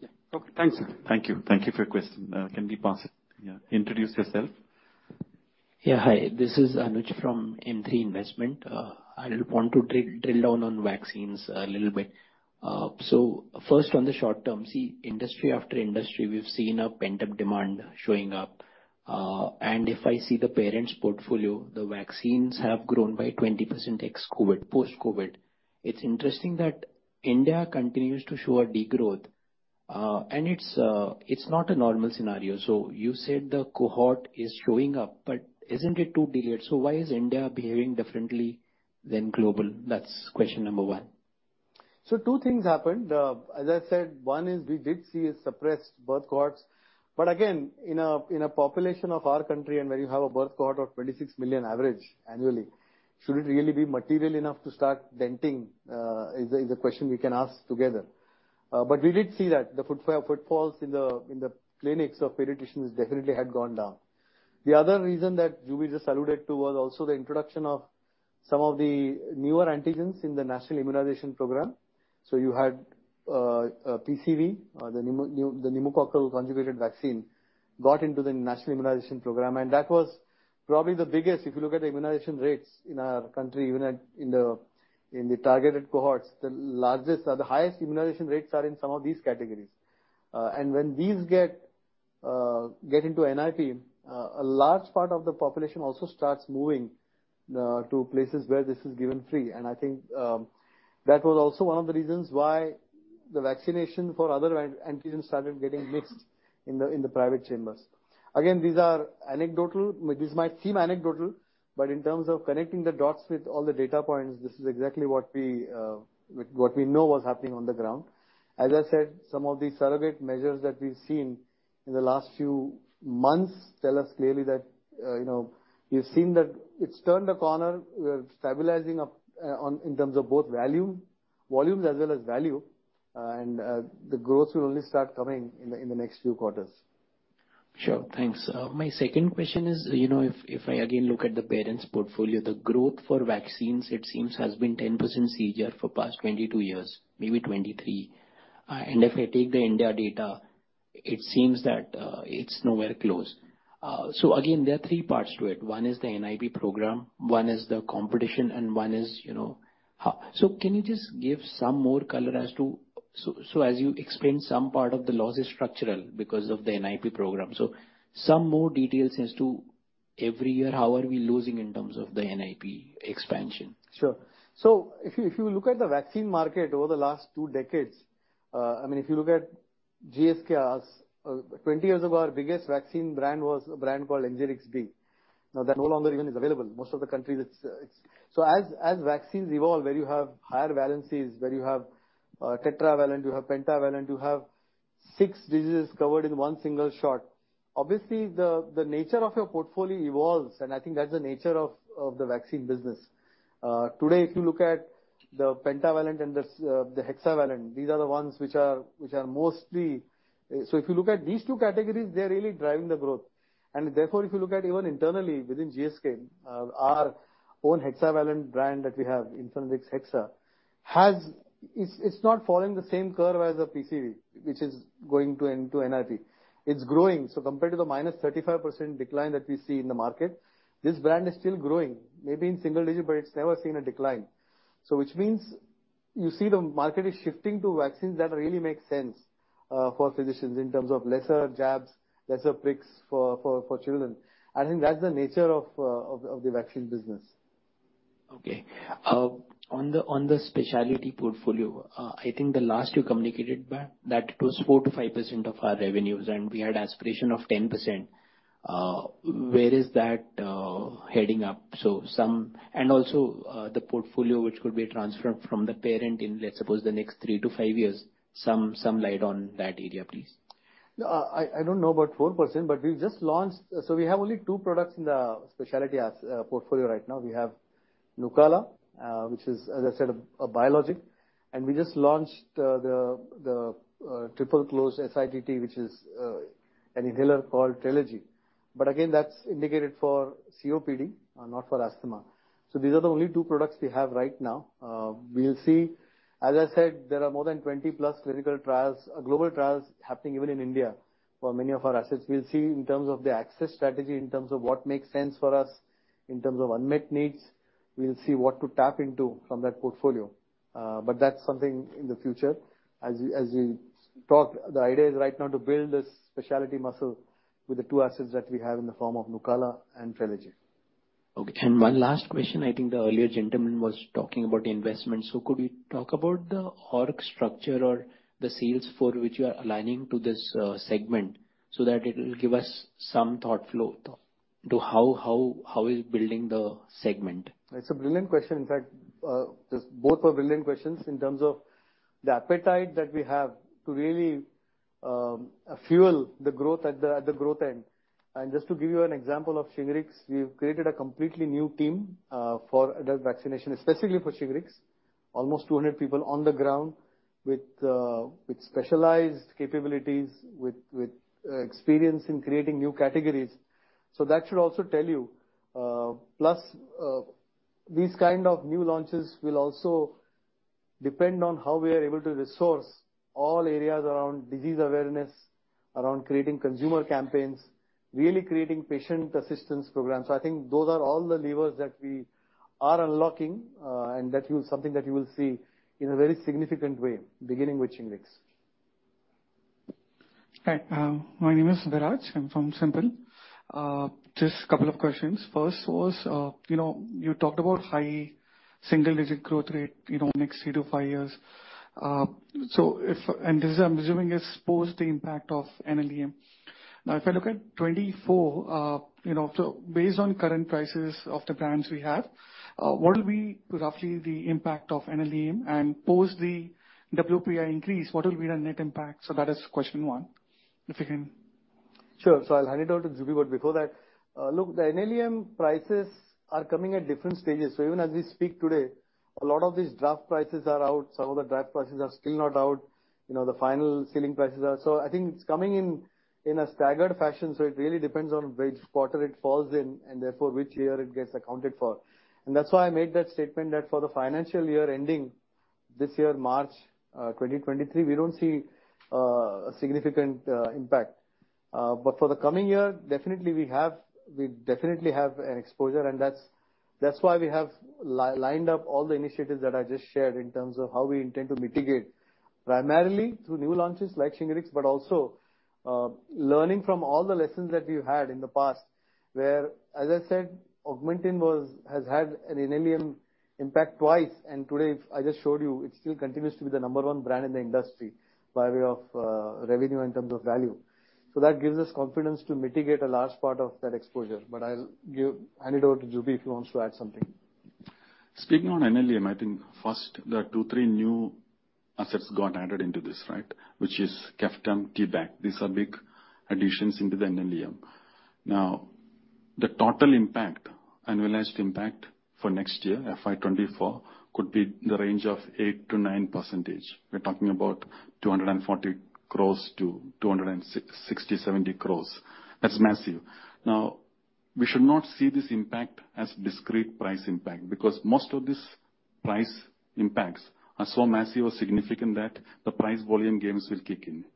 Yeah. Okay. Thanks, sir. Thank you. Thank you for your question. Can we pass it? Yeah. Introduce yourself. Yeah, hi. This is Anuj from M3 Investment. I want to drill down on vaccines a little bit. First on the short term, see, industry after industry, we've seen a pent-up demand showing up. If I see the parents' portfolio, the vaccines have grown by 20% ex-COVID, post-COVID. It's interesting that India continues to show a degrowth, and it's not a normal scenario. You said the cohort is showing up, but isn't it too delayed? Why is India behaving differently than global? That's question number one. Two things happened. As I said, one is we did see a suppressed birth cohorts. Again, in a population of our country and where you have a birth cohort of 26 million average annually, should it really be material enough to start denting, is a question we can ask together. We did see that the footfalls in the clinics of pediatricians definitely had gone down. The other reason that Juby just alluded to was also the introduction of some of the newer antigens in the National Immunization Program. You had PCV, the pneumococcal conjugate vaccine got into the National Immunization Program, and that was probably the biggest, if you look at the immunization rates in our country, even in the targeted cohorts, the largest or the highest immunization rates are in some of these categories. When these get into NIP, a large part of the population also starts moving to places where this is given free. I think that was also one of the reasons why the vaccination for other antigens started getting mixed in the private chambers. Again, these are anecdotal. These might seem anecdotal, but in terms of connecting the dots with all the data points, this is exactly what we know was happening on the ground. As I said, some of these surrogate measures that we've seen in the last few months tell us clearly that, you know, we've seen that it's turned a corner. We're stabilizing up on, in terms of both value, volumes as well as value. The growth will only start coming in the, in the next few quarters. Sure. Thanks. My second question is, you know, if I again look at the parent's portfolio, the growth for vaccines it seems has been 10% CAGR for past 22 years, maybe 23. If I take the India data, it seems that it's nowhere close. Again, there are three parts to it. One is the NIP program, one is the competition, and one is, you know. Can you just give some more color as to? As you explained, some part of the loss is structural because of the NIP program. Some more details as to every year how are we losing in terms of the NIP expansion? Sure. If you look at the vaccine market over the last two decades, I mean, if you look at GSK, 20 years ago our biggest vaccine brand was a brand called ENGERIX-B. Now that no longer even is available. Most of the countries it's. As vaccines evolve, where you have higher valencies, where you have, tetravalent, you have pentavalent, you have six diseases covered in one single shot, obviously the nature of your portfolio evolves, and I think that's the nature of the vaccine business. Today if you look at the pentavalent and the hexavalent, these are the ones which are mostly. If you look at these two categories, they're really driving the growth. Therefore, if you look at even internally within GSK, our own hexavalent brand that we have, INFANRIX Hexa. It's not following the same curve as a PCV, which is going to NIP. It's growing. Compared to the -35% decline that we see in the market, this brand is still growing. Maybe in single digit, but it's never seen a decline. Which means you see the market is shifting to vaccines that really make sense for physicians in terms of lesser jabs, lesser pricks for children. I think that's the nature of the vaccine business. Okay. On the specialty portfolio, I think the last you communicated back that it was 4%-5% of our revenues and we had aspiration of 10%. Where is that heading up? Also, the portfolio which could be transferred from the parent in, let's suppose, the next three to five years, some light on that area, please. I don't know about 4%, but we've just launched. We have only two products in the specialty as portfolio right now. We have NUCALA, which is, as I said, a biologic. We just launched the triple close SITT, which is an inhaler called TRELEGY. Again, that's indicated for COPD, not for asthma. These are the only two products we have right now. We'll see. As I said, there are more than 20+ clinical trials, global trials happening even in India for many of our assets. We'll see in terms of the access strategy, in terms of what makes sense for us, in terms of unmet needs. We'll see what to tap into from that portfolio. That's something in the future. As you talk, the idea is right now to build this specialty muscle with the two assets that we have in the form of NUCALA and TRELEGY. Okay. One last question. I think the earlier gentleman was talking about investments. Could we talk about the org structure or the sales for which you are aligning to this segment so that it'll give us some thought flow to how we're building the segment? It's a brilliant question. In fact, both were brilliant questions in terms of the appetite that we have to really fuel the growth at the growth end. Just to give you an example of Shingrix, we've created a completely new team for adult vaccination, especially for Shingrix. Almost 200 people on the ground with specialized capabilities, with experience in creating new categories. That should also tell you, plus these kind of new launches will also depend on how we are able to resource all areas around disease awareness, around creating consumer campaigns, really creating patient assistance programs. I think those are all the levers that we are unlocking. Something that you will see in a very significant way, beginning with Shingrix. Right. My name is Viraj. I'm from SiMPL. Just couple of questions. First was, you know, you talked about high single digit growth rate, you know, next three to five years. This, I'm assuming, is post the impact of NLEM. If I look at 2024, you know, based on current prices of the brands we have, what will be roughly the impact of NLEM? Post the WPI increase, what will be the net impact? That is question one. If you can... Sure. I'll hand it over to Juby, before that, look, the NLEM prices are coming at different stages. Even as we speak today, a lot of these draft prices are out, some of the draft prices are still not out. You know, the final ceiling prices are... I think it's coming in a staggered fashion, so it really depends on which quarter it falls in and therefore which year it gets accounted for. That's why I made that statement that for the financial year ending this year, March, 2023, we don't see a significant impact. For the coming year, definitely we definitely have an exposure and that's why we have lined up all the initiatives that I just shared in terms of how we intend to mitigate. Primarily through new launches like Shingrix, also learning from all the lessons that we've had in the past where, as I said, AUGMENTIN has had an NLEM impact twice. Today, I just showed you, it still continues to be the number one brand in the industry by way of revenue in terms of value. That gives us confidence to mitigate a large part of that exposure. I'll hand it over to Juby if he wants to add something. Speaking on NLEM, I think first there are two, three new assets got added into this, right? Which is KEFTAB, T-Bact. These are big additions into the NLEM. The total impact, annualized impact for next year, FY 2024, could be in the range of 8%-9%. We're talking about 240 crores to 260, 70 crores. That's massive. We should not see this impact as discrete price impact, because most of these price impacts are so massive or significant that the price volume gains will kick in.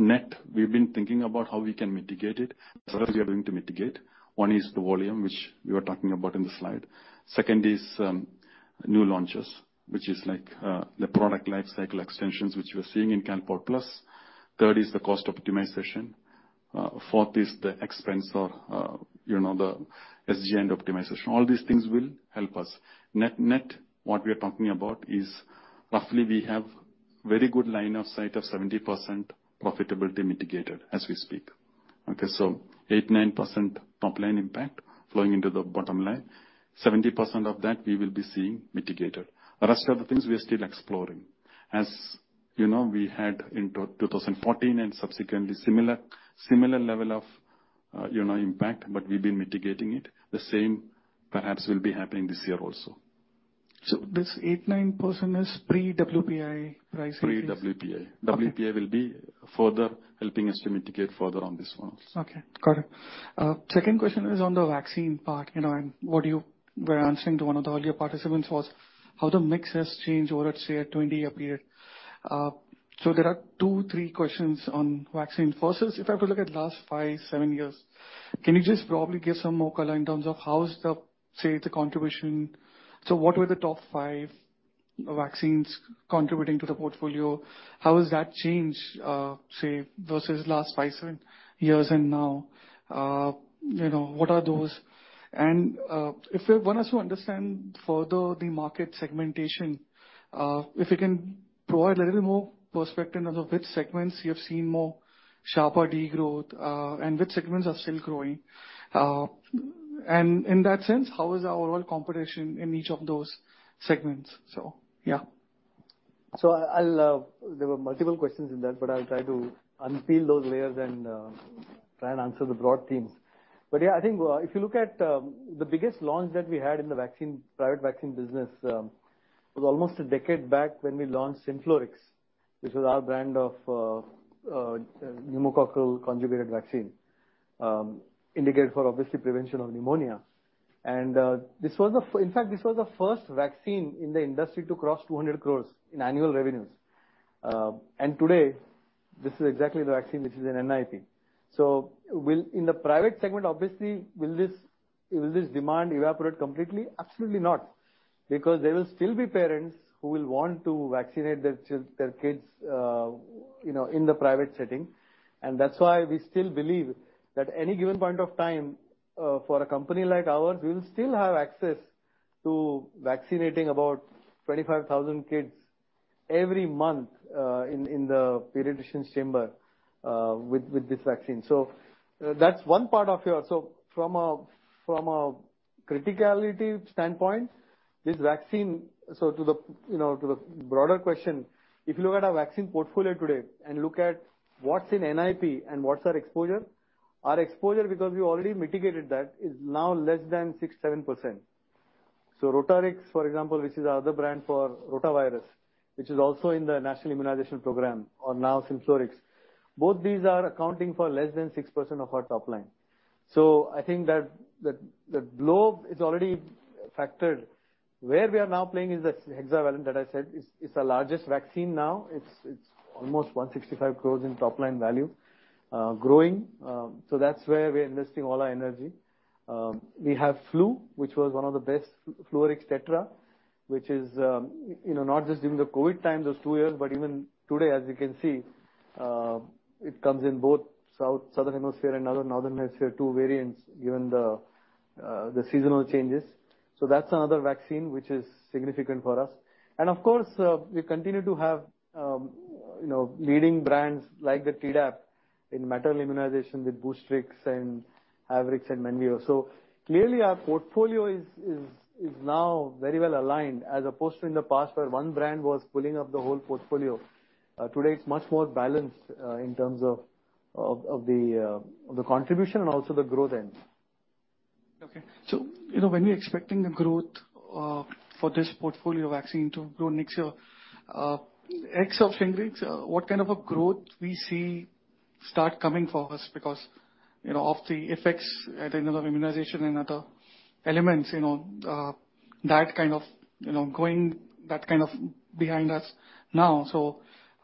Net, we've been thinking about how we can mitigate it. There are ways we are going to mitigate. One is the volume, which we were talking about in the slide. Second is new launches, which is like the product life cycle extensions which we are seeing in CANport plus. Third is the cost optimization. Fourth is the expense or, you know, the GTN optimization. All these things will help us. Net-net, what we are talking about is roughly we have very good line of sight of 70% profitability mitigated as we speak. Okay, 8%, 9% top line impact flowing into the bottom line. 70% of that we will be seeing mitigated. The rest of the things we are still exploring. As you know, we had in 2014 and subsequently similar level of, you know, impact, but we've been mitigating it. The same perhaps will be happening this year also. This 8%, 9% is pre-WPI price increase? Pre-WPI. Okay. WPI will be further helping us to mitigate further on this one also. Okay, got it. Second question is on the vaccine part, you know, and what you were answering to one of the earlier participants was how the mix has changed over, let's say, a 20-year period. There are two, three questions on vaccines. First is, if I have to look at last five, seven years, can you just probably give some more color in terms of how's the, say, the contribution? What were the top five vaccines contributing to the portfolio? How has that changed, say, versus last five, seven years and now? You know, what are those? If one has to understand further the market segmentation, if you can provide a little more perspective in terms of which segments you have seen more sharper degrowth, and which segments are still growing? In that sense, how is the overall competition in each of those segments? Yeah. There were multiple questions in that, but I'll try to unpeel those layers and try and answer the broad themes. Yeah, I think, if you look at the biggest launch that we had in the vaccine, private vaccine business, was almost a decade back when we launched SYNFLORIX, which was our brand of pneumococcal conjugate vaccine, indicated for obviously prevention of pneumonia. In fact, this was the first vaccine in the industry to cross 200 crores in annual revenues. Today, this is exactly the vaccine which is in NIP. Will, in the private segment, obviously, will this demand evaporate completely? Absolutely not. There will still be parents who will want to vaccinate their kids, you know, in the private setting. That's why we still believe that any given point of time, for a company like ours, we will still have access to vaccinating about 25,000 kids every month, in the pediatrician's chamber, with this vaccine. To the, you know, to the broader question, if you look at our vaccine portfolio today and look at what's in NIP and what's our exposure, our exposure, because we already mitigated that, is now less than 6%-7%. ROTARIX, for example, which is our other brand for rotavirus, which is also in the National Immunization Program, or now SYNFLORIX, both these are accounting for less than 6% of our top line. I think that the blow is already factored. Where we are now playing is the hexavalent that I said. It's the largest vaccine now. It's almost 165 crores in top-line value, growing. That's where we are investing all our energy. We have flu, which was one of the best, FLUARIX Tetra, which is, you know, not just during the COVID times, those two years, but even today, as you can see, it comes in both Southern Hemisphere and Northern Hemisphere, two variants, given the seasonal changes. That's another vaccine which is significant for us. Of course, we continue to have, you know, leading brands like the TDAP in maternal immunization with BOOSTRIX and HAVRIX and MENVEO. Clearly our portfolio is now very well aligned as opposed to in the past where one brand was pulling up the whole portfolio. Today it's much more balanced in terms of the contribution and also the growth end. Okay. you know, when you're expecting a growth for this portfolio of vaccine to grow next year, X of Shingrix, what kind of a growth we see start coming for us? you know, of the effects at the end of immunization and other elements, you know, that kind of, you know, going behind us now.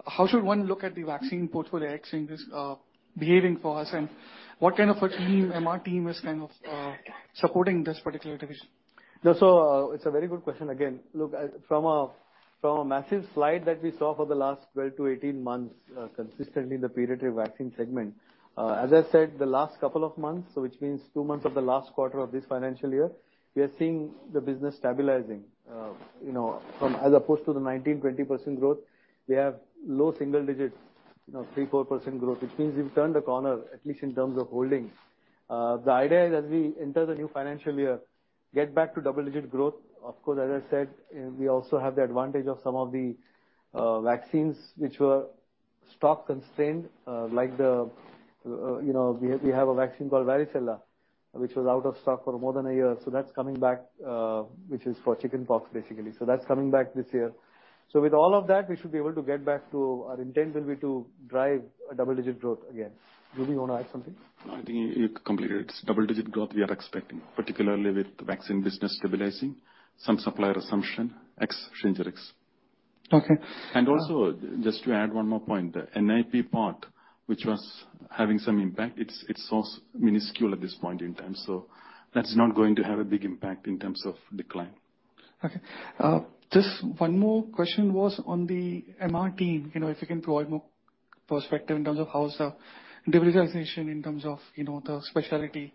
how should one look at the vaccine portfolio X in this behaving for us? what kind of a team MR team is kind of supporting this particular division? It's a very good question again. Look, from a massive slide that we saw for the last 12-18 months, consistently in the pediatrics vaccine segment, as I said, the last couple of months, which means two months of the last quarter of this financial year, we are seeing the business stabilizing. You know, from as opposed to the 19%-20% growth, we have low single digits, you know, 3%-4% growth, which means we've turned the corner, at least in terms of holdings. The idea is as we enter the new financial year, get back to double-digit growth. Of course, as I said, we also have the advantage of some of the vaccines which were stock constrained, like the, you know, we have a vaccine called varicella, which was out of stock for more than a year, that's coming back, which is for chickenpox, basically. That's coming back this year. With all of that, we should be able to get back to our intent will be to drive a double-digit growth again. Juby, you wanna add something? No, I think you've completed it. Double-digit growth we are expecting, particularly with the vaccine business stabilizing, some supplier assumption, ex-Shingrix. Okay. Also, just to add one more point, the NIP part, which was having some impact, it's so minuscule at this point in time. That's not going to have a big impact in terms of decline. Okay. Just one more question was on the MR team. You know, if you can provide more perspective in terms of how's the diversification in terms of, you know, the specialty,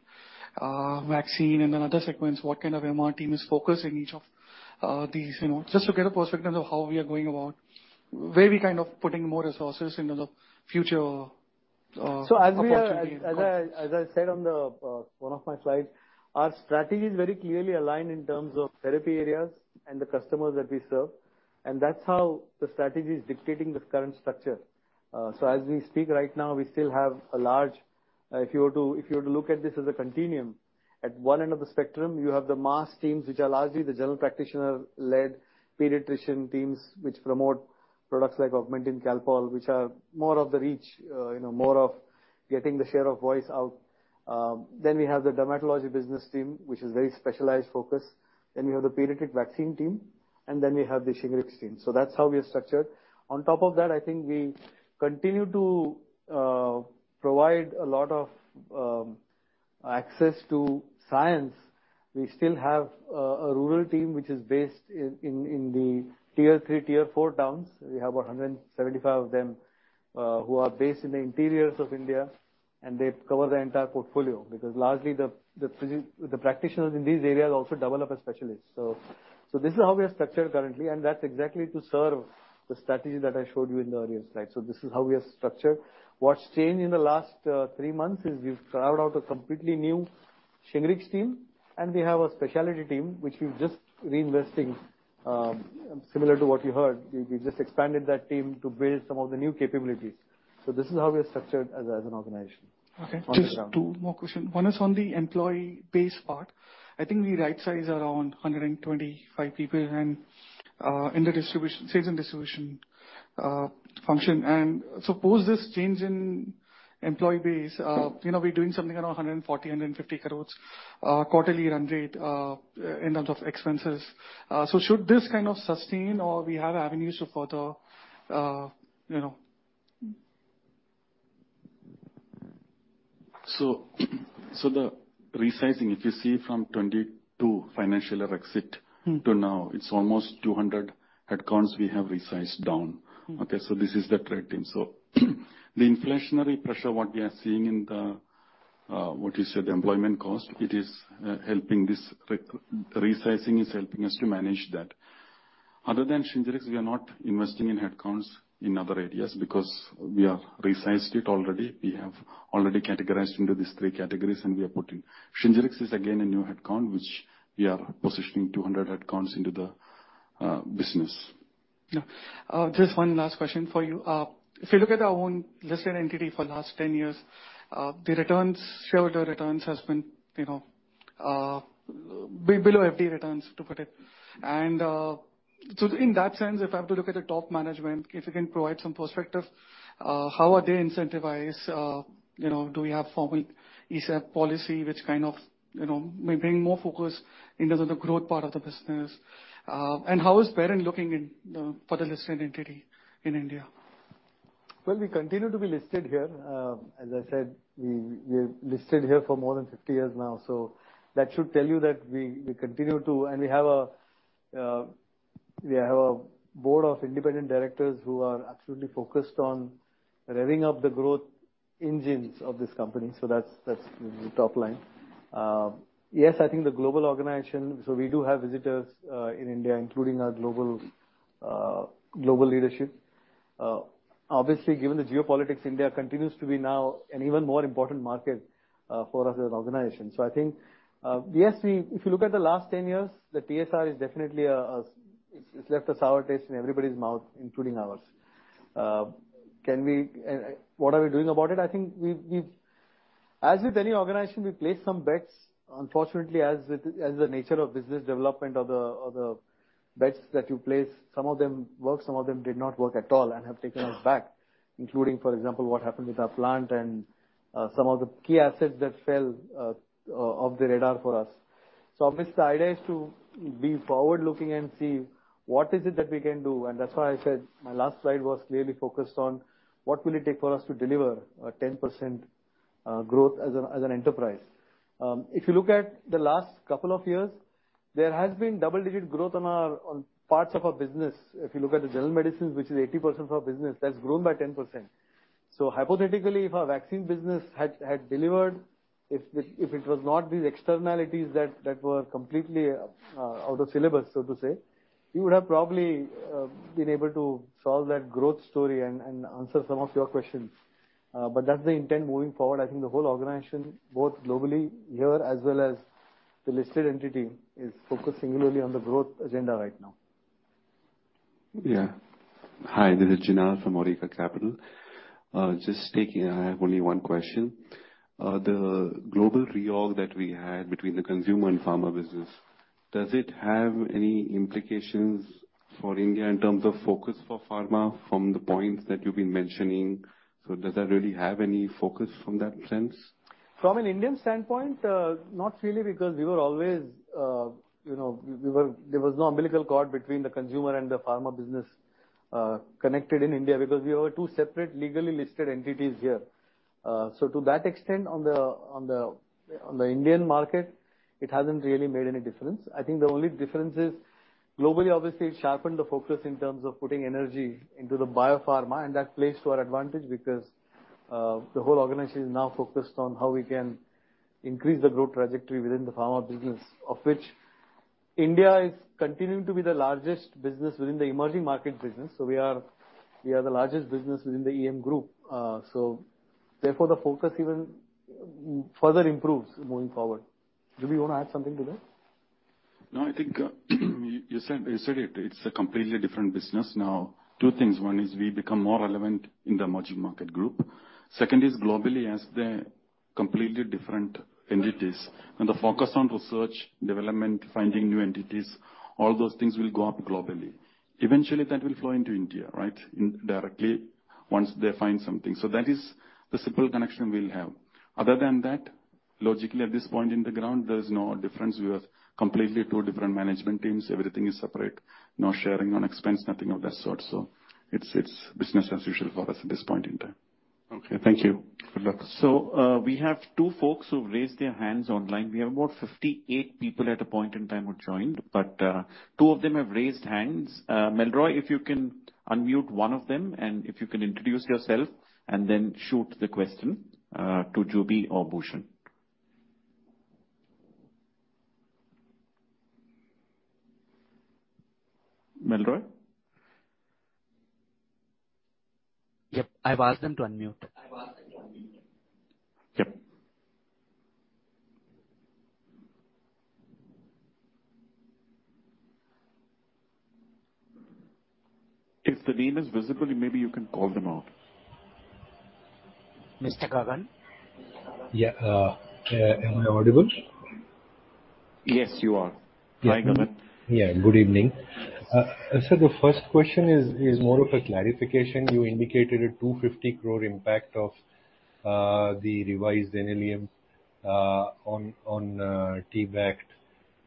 vaccine and then other segments. What kind of MR team is focused in each of these, you know? Just to get a perspective of how we are going about where we kind of putting more resources in terms of future, opportunity and growth. As I said on one of my slides, our strategy is very clearly aligned in terms of therapy areas and the customers that we serve, and that's how the strategy is dictating the current structure. As we speak right now, we still have a large... If you were to, if you were to look at this as a continuum, at one end of the spectrum, you have the mass teams, which are largely the general practitioner-led pediatrician teams, which promote products like AUGMENTIN, CALPOL, which are more of the reach, you know, more of getting the share of voice out. Then we have the dermatology business team, which is very specialized focus. Then we have the pediatric vaccine team, and then we have the Shingrix team. That's how we are structured. On top of that, I think we continue to provide a lot of access to science. We still have a rural team which is based in the tier three, tier four towns. We have 175 of them who are based in the interiors of India, and they cover the entire portfolio. Largely the practitioners in these areas also develop a specialist. This is how we are structured currently, and that's exactly to serve the strategy that I showed you in the earlier slide. This is how we are structured. What's changed in the last three months is we've carved out a completely new Shingrix team, and we have a specialty team, which we're just reinvesting, similar to what you heard. We just expanded that team to build some of the new capabilities. This is how we are structured as an organization. Okay. On the ground. Just two more question. One is on the employee base part. I think we rightsize around 125 people and in the distribution, sales and distribution function. Suppose this change in employee base, you know, we're doing something around 140 crores-150 crores quarterly run rate in terms of expenses. Should this kind of sustain or we have avenues to further, you know? The resizing, if you see from 2022 financial exit. Mm. To now, it's almost 200 headcounts we have resized down. Mm. Okay? This is the trend then. The inflationary pressure, what we are seeing in the, what you said, employment cost, it is helping this re-resizing is helping us to manage that. Other than Shingrix, we are not investing in headcounts in other areas because we have resized it already. We have already categorized into these three categories, and we are putting. Shingrix is again a new headcount, which we are positioning 200 headcounts into the business. Yeah. Just one last question for you. If you look at our own listed entity for last 10 years, the returns, shareholder returns has been, you know, below FD returns to put it. In that sense, if I have to look at the top management, if you can provide some perspective, how are they incentivized? You know, do we have formal ESAP policy which kind of, you know, may bring more focus in terms of the growth part of the business? How is parent looking in for the listed entity in India? Well, we continue to be listed here. As I said, we're listed here for more than 50 years now, so that should tell you that we have a board of independent directors who are absolutely focused on revving up the growth engines of this company, so that's the top line. Yes, I think the global organization, so we do have visitors in India, including our global leadership. Obviously, given the geopolitics, India continues to be now an even more important market for us as an organization. I think, yes, if you look at the last 10 years, the TSR is definitely. It's left a sour taste in everybody's mouth, including ours. What are we doing about it? I think we've... As with any organization, we place some bets. Unfortunately, as the nature of business development or the bets that you place, some of them work, some of them did not work at all and have taken us back, including, for example, what happened with our plant and some of the key assets that fell off the radar for us. Obviously, the idea is to be forward-looking and see what is it that we can do. That's why I said my last slide was clearly focused on what will it take for us to deliver a 10% growth as an enterprise. If you look at the last couple of years, there has been double-digit growth on parts of our business. If you look at the general medicines, which is 80% of our business, that's grown by 10%. Hypothetically, if our vaccine business had delivered, if it was not these externalities that were completely out of syllabus, so to say, we would have probably been able to solve that growth story and answer some of your questions. That's the intent moving forward. I think the whole organization, both globally here as well as the listed entity, is focused singularly on the growth agenda right now. Hi, this is Jina from Awriga Capital. I have only one question. The global reorg that we had between the consumer and pharma business, does it have any implications for India in terms of focus for pharma from the points that you've been mentioning? Does that really have any focus from that sense? From an Indian standpoint, not really because we were always, you know, there was no umbilical cord between the consumer and the pharma business, connected in India because we were two separate legally listed entities here. To that extent, on the Indian market, it hasn't really made any difference. I think the only difference is globally, obviously, it sharpened the focus in terms of putting energy into the biopharma, and that plays to our advantage because the whole organization is now focused on how we can increase the growth trajectory within the pharma business, of which India is continuing to be the largest business within the emerging market business. We are the largest business within the EM group. Therefore, the focus even further improves moving forward. Juby, you wanna add something to that? I think, you said it. It's a completely different business now. Two things. One is we become more relevant in the emerging market group. Second is globally, as the completely different entities and the focus on research, development, finding new entities, all those things will go up globally. Eventually that will flow into India, right? Directly once they find something. That is the simple connection we'll have. Other than that, logically, at this point in the ground, there's no difference. We are completely two different management teams. Everything is separate. No sharing on expense, nothing of that sort. It's business as usual for us at this point in time. Okay, thank you. Good luck. We have 2 folks who've raised their hands online. We have about 58 people at a point in time who joined, two of them have raised hands. Melroy, if you can unmute one of them and if you can introduce yourself and then shoot the question to Juby or Bhushan. Melroy? Yep, I've asked them to unmute. Yep. If the name is visible, maybe you can call them out. Mr. Gagan. Yeah. Am I audible? Yes, you are. Mm-hmm. Hi, Gagan. Good evening. The first question is more of a clarification. You indicated a 250 crore impact of the revised NLEM on T-Bact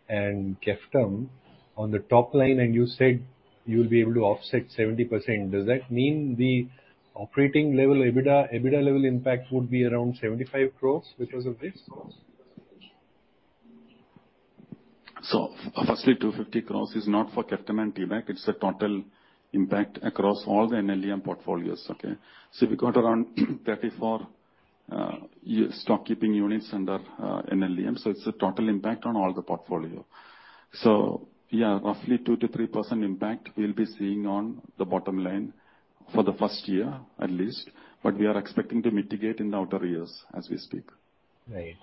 and KEFTAB on the top line. You said you'll be able to offset 70%. Does that mean the operating level, EBITDA level impact would be around 75 crore because of this? Firstly, 250 crore is not for KEFTAB and T-Bact. It's a total impact across all the NLEM portfolios, okay? We got around 34 stock keeping units under NLEM. It's a total impact on all the portfolio. Yeah, roughly 2%-3% impact we'll be seeing on the bottom line for the first year at least. We are expecting to mitigate in the outer years as we speak. Right.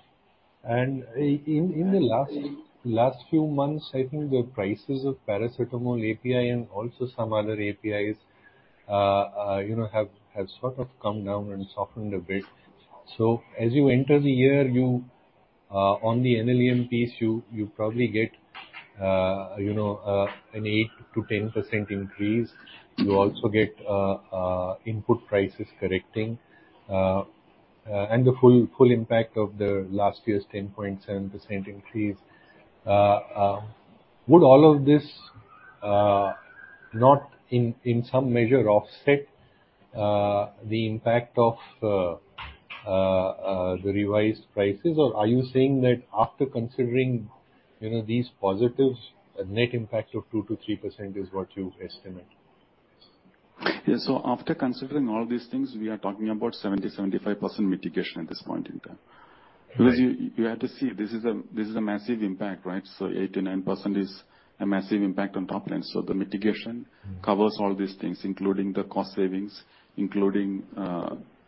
In the last few months, I think the prices of paracetamol API and also some other APIs, you know, have sort of come down and softened a bit. As you enter the year, you on the NLEM piece, you probably get, you know, an 8%-10% increase. You also get input prices correcting, and the full impact of the last year's 10.7% increase. Would all of this not in some measure offset the impact of the revised prices? Are you saying that after considering, you know, these positives, a net impact of 2%-3% is what you estimate? Yeah. After considering all these things, we are talking about 70-75% mitigation at this point in time. Right. You have to see this is a massive impact, right? 8%-9% is a massive impact on top line. Mm-hmm. -covers all these things, including the cost savings, including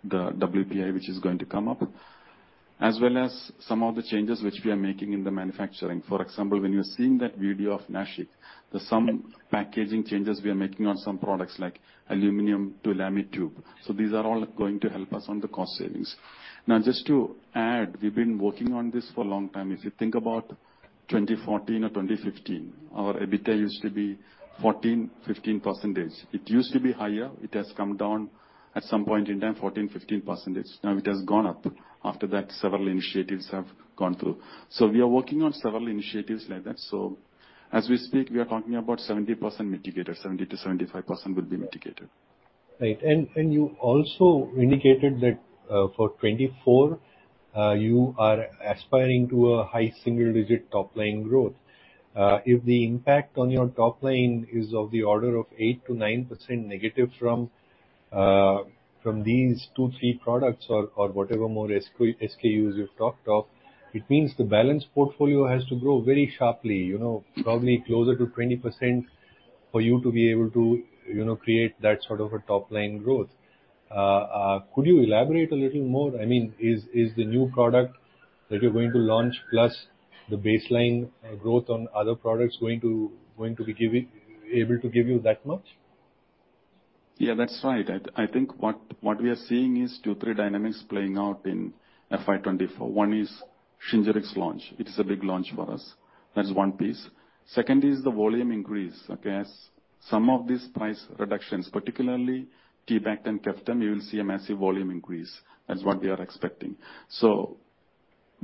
the WPI which is going to come up, as well as some of the changes which we are making in the manufacturing. For example, when you're seeing that video of Nashik, there's some packaging changes we are making on some products like aluminum to LamiTube. These are all going to help us on the cost savings. Now, just to add, we've been working on this for a long time. If you think about 2014 or 2015, our EBITDA used to be 14%-15%. It used to be higher. It has come down at some point in time, 14%-15%. Now it has gone up. After that, several initiatives have gone through. We are working on several initiatives like that. As we speak, we are talking about 70% mitigated. 70%-75% will be mitigated. Right. You also indicated that, for 2024, you are aspiring to a high single digit top line growth. If the impact on your top line is of the order of 8%-9% negative from these two, three products or whatever more SKUs you've talked of, it means the balance portfolio has to grow very sharply. You know, probably closer to 20% for you to be able to, you know, create that sort of a top-line growth. Could you elaborate a little more? I mean, is the new product that you're going to launch, plus the baseline growth on other products going to be able to give you that much? Yeah, that's right. I think what we are seeing is two, three dynamics playing out in FY 2024. One is Shingrix launch. It is a big launch for us. That's one piece. Second is the volume increase. Okay. Some of these price reductions, particularly T-Bact and KEFTAB, you will see a massive volume increase. That's what we are expecting.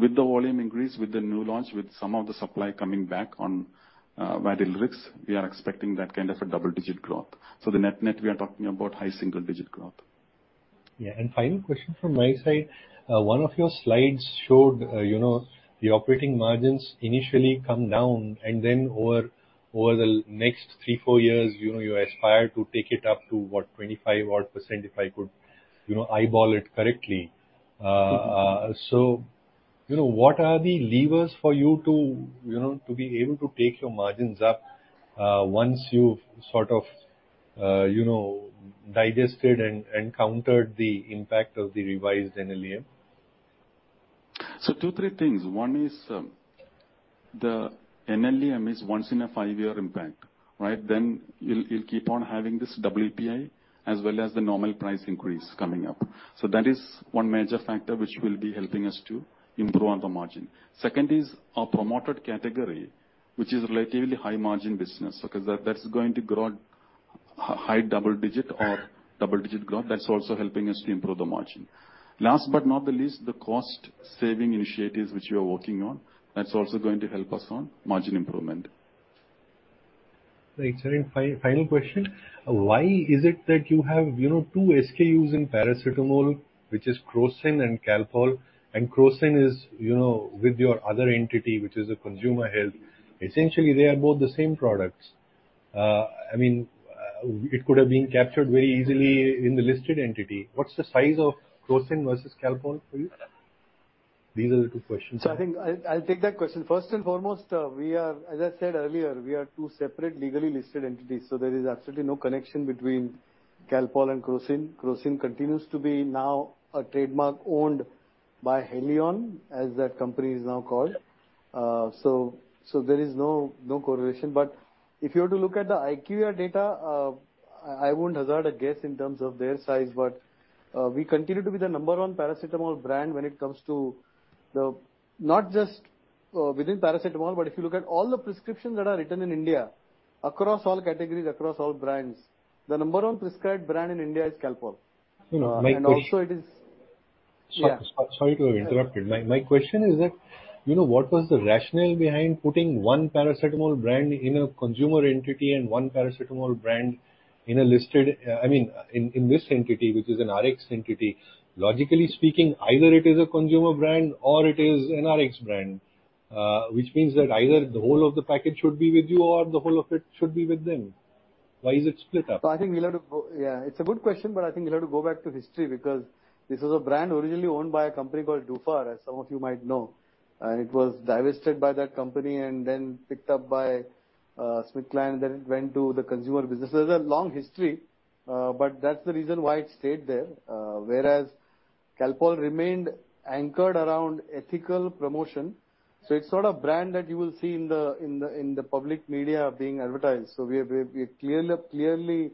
With the volume increase, with the new launch, with some of the supply coming back on VARILRIX, we are expecting that kind of a double-digit growth. The net-net, we are talking about high single-digit growth. Yeah. Final question from my side. One of your slides showed, you know, the operating margins initially come down and then over the next three, four years, you know, you aspire to take it up to, what, 25 odd percent, if I could, you know, eyeball it correctly. Mm-hmm. You know, what are the levers for you to, you know, to be able to take your margins up, once you've sort of, you know, digested and countered the impact of therevised NLEM? Two, three things. One is the NLEM is once in a five-year impact, right? You'll keep on having this WPI as well as the normal price increase coming up. That is one major factor which will be helping us to improve on the margin. 2nd is our promoted category, which is relatively high margin business. Okay. That's going to grow high double-digit or double-digit growth. That's also helping us to improve the margin. Last but not the least, the cost saving initiatives which we are working on, that's also going to help us on margin improvement. Thanks. Final question. Why is it that you have, you know, two SKUs in paracetamol, which is Crocin and CALPOL, and Crocin is, you know, with your other entity, which is a consumer health? Essentially, they are both the same products. I mean, it could have been captured very easily in the listed entity. What's the size of Crocin versus CALPOL for you? These are the two questions. I think I'll take that question. First and foremost, as I said earlier, we are two separate legally listed entities, so there is absolutely no connection between CALPOL and Crocin. Crocin continues to be now a trademark owned by Haleon, as that company is now called. There is no correlation. If you were to look at the IQVIA data, I won't hazard a guess in terms of their size, but we continue to be the number one paracetamol brand when it comes to the not just within paracetamol, but if you look at all the prescriptions that are written in India across all categories, across all brands, the number one prescribed brand in India is CALPOL. You know, my question- Also it is, yeah. Sorry to have interrupted. My question is that, you know, what was the rationale behind putting one paracetamol brand in a consumer entity and one paracetamol brand in a listed, I mean, in this entity, which is an RX entity. Logically speaking, either it is a consumer brand or it is an RX brand, which means that either the whole of the package should be with you or the whole of it should be with them. Why is it split up? I think we'll have to go. Yeah, it's a good question, but I think you'll have to go back to history because this is a brand originally owned by a company called Duphar, as some of you might know. It was divested by that company and then picked up by SmithKline. It went to the consumer business. There's a long history, but that's the reason why it stayed there. Whereas CALPOL remained anchored around ethical promotion. It's sort of brand that you will see in the public media being advertised. We are clearly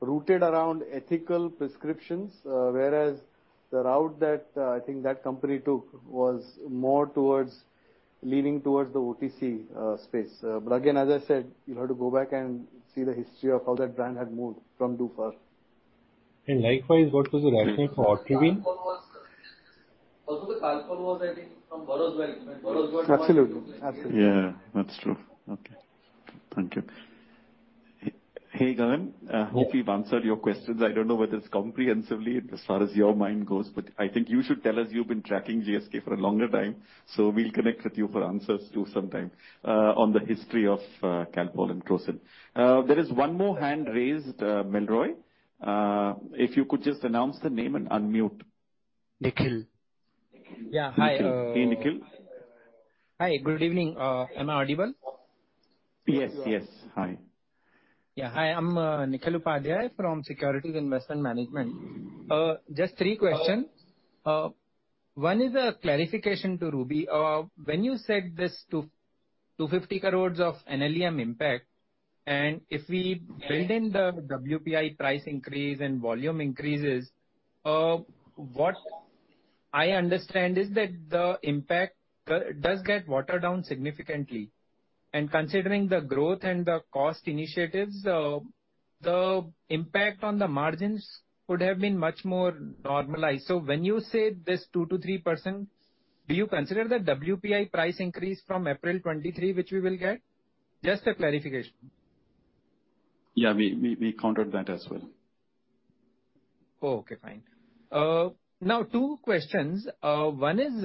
rooted around ethical prescriptions, whereas the route that I think that company took was more towards leaning towards the OTC space. Again, as I said, you'll have to go back and see the history of how that brand had moved from Duphar. Likewise, what was the rationale for Otrivin? Also the CALPOL was, I think, from Burroughs Wellcome. Absolutely. Absolutely. Yeah, that's true. Okay. Thank you. Hey, Gagan, hope we've answered your questions. I don't know whether it's comprehensively as far as your mind goes, but I think you should tell us, you've been tracking GSK for a longer time, so we'll connect with you for answers too sometime on the history of CALPOL and Crocin. There is one more hand raised, Melroy. If you could just announce the name and unmute. Nikhil. Yeah. Hi. Hey, Nikhil. Hi, good evening. Am I audible? Yes. Hi. Hi, I'm Nikhil Upadhyay from Securities Investment Management. Just three questions. One is a clarification to Juby. When you said this 250 crores of NLEM impact, and if we build in the WPI price increase and volume increases, what I understand is that the impact does get watered down significantly. Considering the growth and the cost initiatives, the impact on the margins would have been much more normalized. When you say this 2%-3%, do you consider the WPI price increase from April 2023, which we will get? Just a clarification. Yeah, we countered that as well. Okay, fine. Now two questions. One is,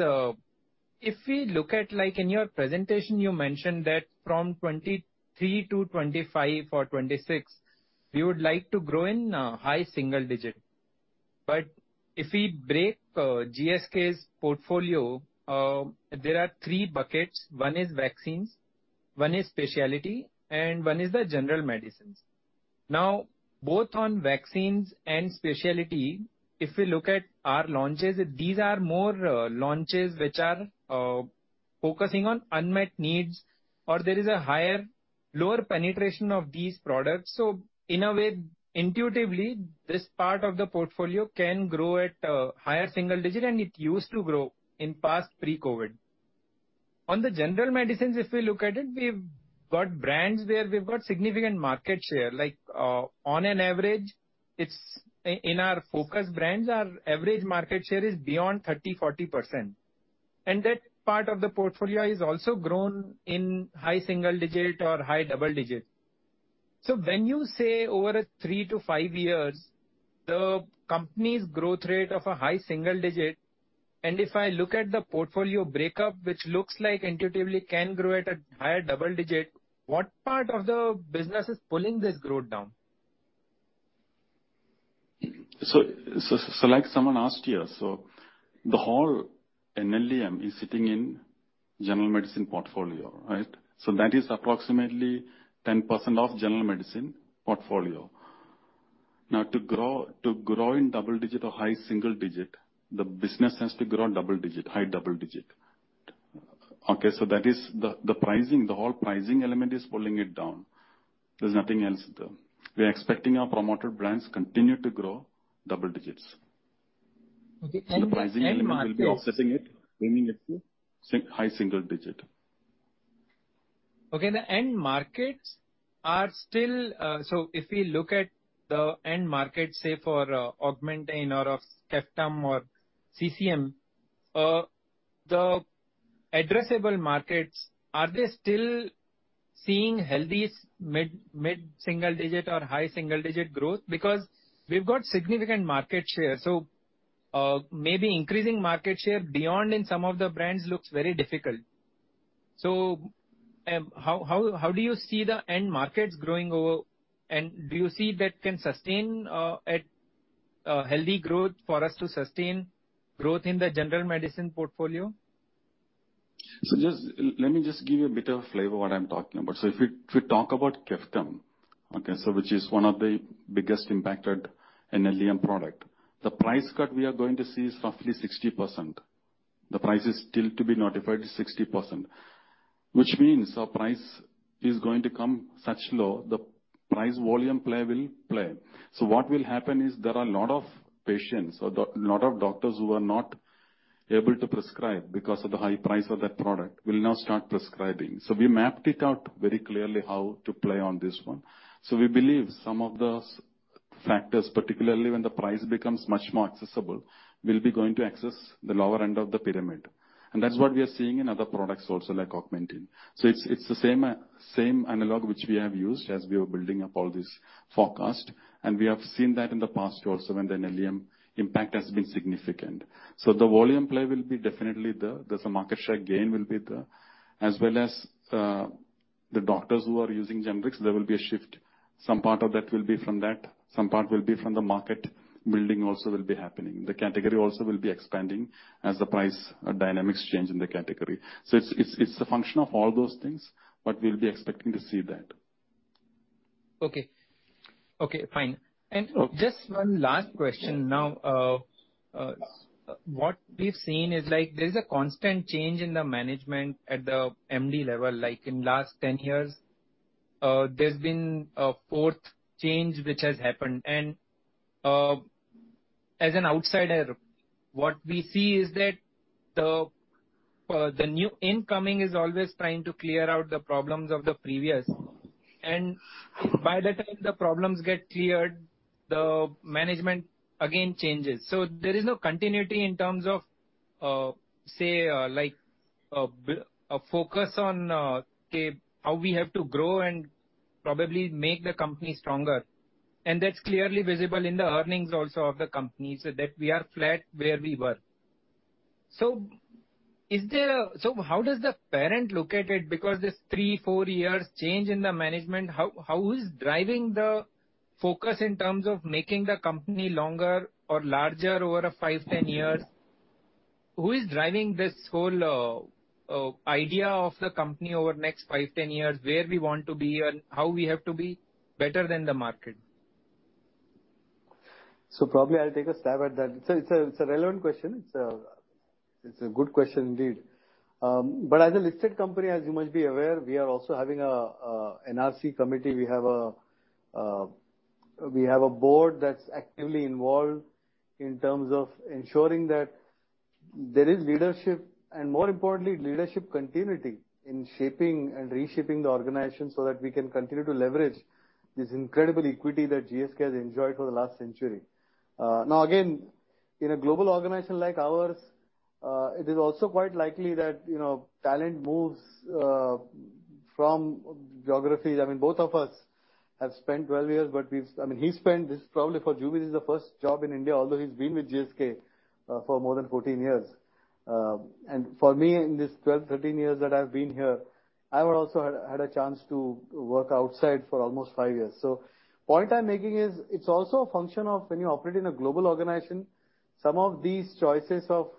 if we look at, like in your presentation, you mentioned that from 23 to 25 or 26, we would like to grow in high single digits. If we break GSK's portfolio, there are three buckets. One is vaccines, one is specialty, and one is the general medicines. Both on vaccines and specialty, if we look at our launches, these are more launches which are focusing on unmet needs, or there is a higher lower penetration of these products. In a way, intuitively, this part of the portfolio can grow at a higher single digit, and it used to grow in past pre-COVID. On the general medicines, if we look at it, we've got brands where we've got significant market share. Like, on an average, it's in our focus brands, our average market share is beyond 30%, 40%. That part of the portfolio is also grown in high single digit or high double digit. When you say over a three to five years, the company's growth rate of a high single digit, and if I look at the portfolio breakup, which looks like intuitively can grow at a higher double digit, what part of the business is pulling this growth down? Like someone asked here, the whole NLEM is sitting in general medicine portfolio, right? That is approximately 10% of general medicine portfolio. Now, to grow in double digit or high single digit, the business has to grow double digit, high double digit. That is the pricing, the whole pricing element is pulling it down. There's nothing else there. We are expecting our promoted brands continue to grow double digits. Okay. The end markets. The pricing element will be offsetting it, bringing it to high single digit. Okay, the end markets are still. If we look at the end market, say for AUGMENTIN or of KEFTAB or CCM, the addressable markets, are they still seeing healthy mid-single digit or high single-digit growth? Because we've got significant market share, so, maybe increasing market share beyond in some of the brands looks very difficult. How do you see the end markets growing over, and do you see that can sustain a healthy growth for us to sustain growth in the general medicines portfolio? Let me just give you a bit of flavor what I'm talking about. If we talk about KEFTAB, okay, which is one of the biggest impacted NLEM product. The price cut we are going to see is roughly 60%. The price is still to be notified is 60%. Which means our price is going to come such low, the price volume play will play. What will happen is there are a lot of patients or lot of doctors who are not able to prescribe because of the high price of that product, will now start prescribing. We mapped it out very clearly how to play on this one. We believe some of those factors, particularly when the price becomes much more accessible, we'll be going to access the lower end of the pyramid. That's what we are seeing in other products also like AUGMENTIN. It's the same analog which we have used as we were building up all this forecast. We have seen that in the past also, when the NLEM impact has been significant. The volume play will be definitely there. There's a market share gain will be there, as well as the doctors who are using generics, there will be a shift. Some part of that will be from that. Some part will be from the market. Building also will be happening. The category also will be expanding as the price dynamics change in the category. It's a function of all those things, but we'll be expecting to see that. Okay. Okay, fine. Sure. Just one last question now. What we've seen is, like, there's a constant change in the management at the MD level. Like in last 10 years, there's been a fourth change which has happened. As an outsider, what we see is that the new incoming is always trying to clear out the problems of the previous. By the time the problems get cleared, the management again changes. There is no continuity in terms of, say, like, a focus on, okay, how we have to grow and probably make the company stronger. That's clearly visible in the earnings also of the company, so that we are flat where we were. How does the parent look at it? This three, four years change in the management, how is driving the focus in terms of making the company longer or larger over a five, 10 years? Who is driving this whole idea of the company over the next five, 10 years, where we want to be and how we have to be better than the market? Probably I'll take a stab at that. It's a relevant question. It's a good question indeed. as a listed company, as you must be aware, we are also having a NRC committee. We have a board that's actively involved in terms of ensuring that there is leadership and more importantly, leadership continuity in shaping and reshaping the organization so that we can continue to leverage this incredible equity that GSK has enjoyed for the last century. now again, in a global organization like ours, it is also quite likely that, you know, talent moves from geographies. I mean, both of us have spent 12 years, but we've... I mean, he spent, this probably for Juby, this is the first job in India, although he's been with GSK for more than 14 years. For me, in these 12, 13 years that I've been here, I would also had a chance to work outside for almost five years. Point I'm making is it's also a function of when you operate in a global organization, some of these choices of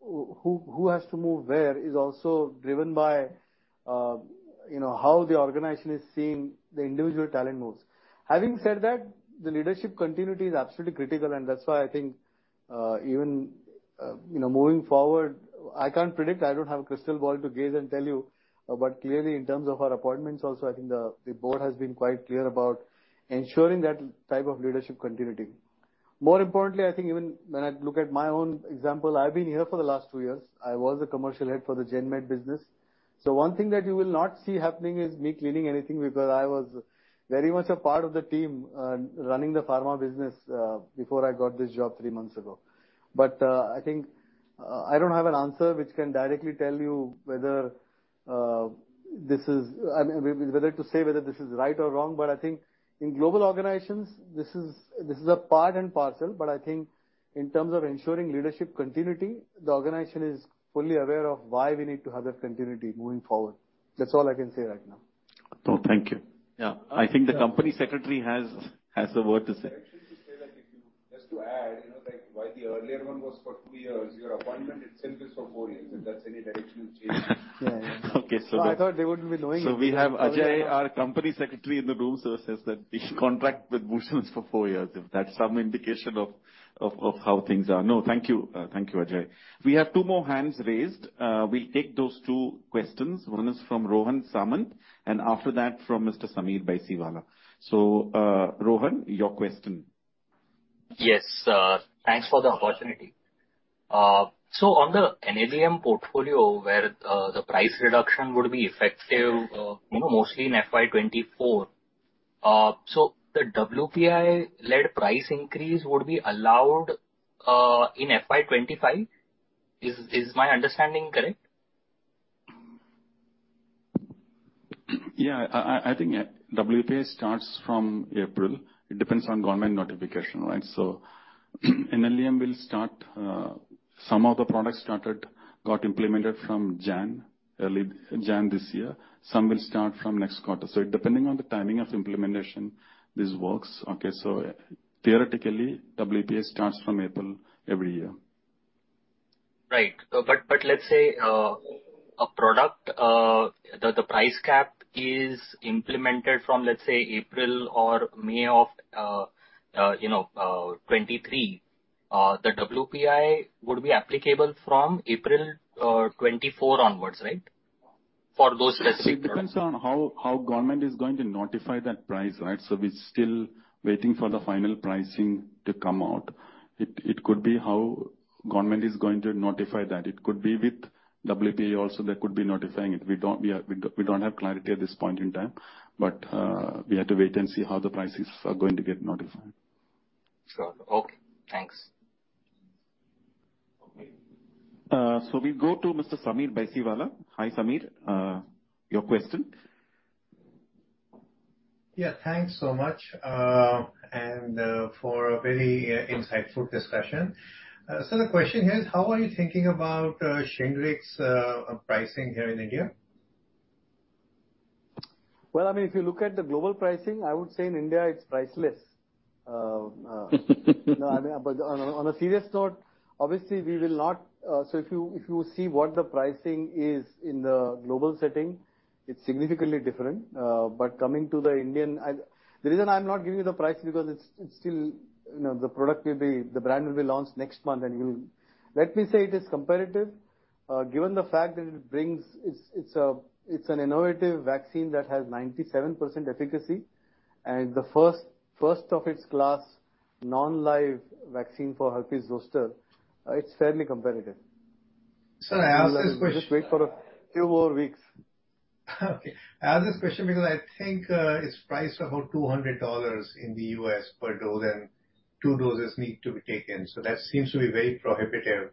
who has to move where is also driven by, you know, how the organization is seeing the individual talent moves. Having said that, the leadership continuity is absolutely critical, and that's why I think, even, you know, moving forward, I can't predict, I don't have a crystal ball to gaze and tell you. Clearly, in terms of our appointments also, I think the board has been quite clear about ensuring that type of leadership continuity. More importantly, I think even when I look at my own example, I've been here for the last two years. I was a commercial head for the gen med business. One thing that you will not see happening is me cleaning anything because I was very much a part of the team running the pharma business before I got this job three months ago. I think I don't have an answer which can directly tell you whether I mean, whether to say whether this is right or wrong. I think in global organizations, this is a part and parcel, but I think in terms of ensuring leadership continuity, the organization is fully aware of why we need to have that continuity moving forward. That's all I can say right now. Oh, thank you. Yeah. I think the company secretary has a word to say. Just to add, you know, like why the earlier one was for two years, your appointment itself is for four years. If that's any direction you've changed. Okay. I thought they wouldn't be knowing. We have Ajay, our company secretary in the room, it says that we should contract with Bhushan for four years, if that's some indication of how things are. No, thank you. Thank you, Ajay. We have two more hands raised. We'll take those two questions. One is from Rohan Samant, and after that from Mr. Sameer Baisiwala. Rohan, your question. Yes, thanks for the opportunity. On the NLEM portfolio where the price reduction would be effective, you know, mostly in FY 2024, the WPI-led price increase would be allowed, in FY 2025? Is my understanding correct? Yeah. I think, yeah, WPI starts from April. It depends on government notification, right? NLEM will start, some of the products started, got implemented from Jan this year. Some will start from next quarter. Depending on the timing of implementation, this works. Okay? Theoretically, WPI starts from April every year. Right. Let's say a product, the price cap is implemented from, let's say, April or May of, you know, 2023, the WPI would be applicable from April 2024 onwards, right? For those specific products. It depends on how government is going to notify that price, right? We're still waiting for the final pricing to come out. It could be how government is going to notify that. It could be with WPI also, they could be notifying it. We don't have clarity at this point in time. We have to wait and see how the prices are going to get notified. Sure. Okay. Thanks. Okay. We go to Mr. Sameer Baisiwala. Hi, Sameer. Your question. Yeah, thanks so much. For a very insightful discussion. The question is, how are you thinking about Shingrix pricing here in India? Well, I mean, if you look at the global pricing, I would say in India it's priceless. No, I mean, on a serious note, obviously. If you see what the pricing is in the global setting, it's significantly different. Coming to the Indian. The reason I'm not giving you the price because it's still, you know, the brand will be launched next month. Let me say it is competitive, given the fact that it's an innovative vaccine that has 97% efficacy, and the first of its class, non-live vaccine for herpes zoster. It's fairly competitive. I ask this question. Just wait for a few more weeks. Okay. I ask this question because I think, it's priced about $200 in the U.S. Per dose, and two doses need to be taken. That seems to be very prohibitive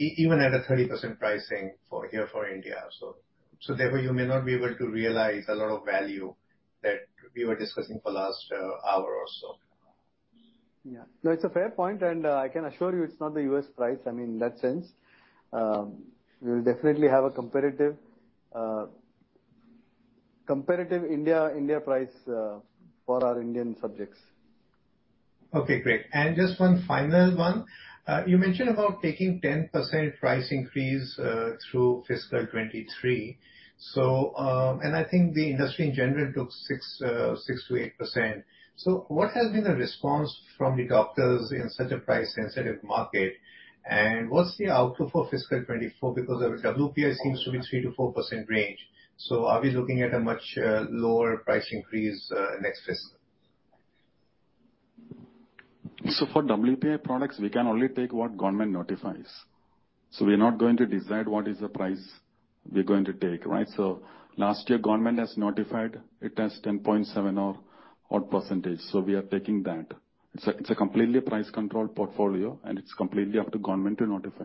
even at a 30% pricing for here for India. Therefore, you may not be able to realize a lot of value that we were discussing for last hour or so. Yeah. No, it's a fair point, and I can assure you it's not the U.S. price. I mean, in that sense, we'll definitely have a competitive India price for our Indian subjects. Okay, great. Just one final one. You mentioned about taking 10% price increase through fiscal 2023. I think the industry in general took 6%-8%. What has been the response from the doctors in such a price-sensitive market? What's the outlook for fiscal 2024? Because the WPI seems to be 3%-4% range. Are we looking at a much lower price increase next fiscal? For WPI products, we can only take what government notifies. We're not going to decide what is the price we're going to take, right? Last year, government has notified it has 10.7% odd. We are taking that. It's a completely price-controlled portfolio, and it's completely up to government to notify.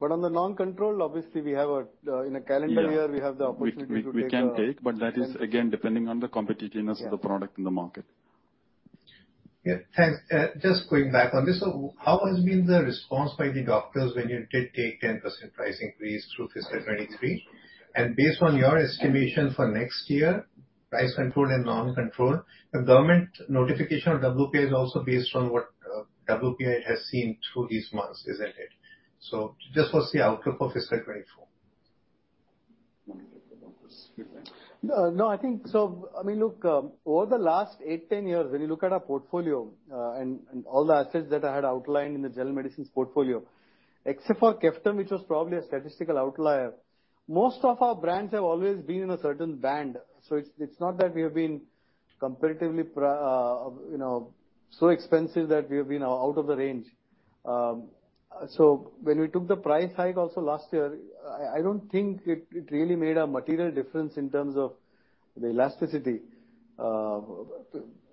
On the non-control, obviously, we have in a calendar year. Yeah. we have the opportunity to take, We can take, but that is again depending on the competitiveness. Yeah. of the product in the market. Thanks. Just going back on this. How has been the response by the doctors when you did take 10% price increase through fiscal 2023? Based on your estimation for next year, price controlled and non-controlled, the government notification of WPI is also based on what WPI has seen through these months, isn't it? Just what's the outlook for fiscal 2024? No, I think. I mean, look, over the last eight, 10 years, when you look at our portfolio, and all the assets that I had outlined in the general medicines portfolio, except for KEFTAB, which was probably a statistical outlier, most of our brands have always been in a certain band. It's not that we have been competitively, you know, so expensive that we have been out of the range. When we took the price hike also last year, I don't think it really made a material difference in terms of the elasticity.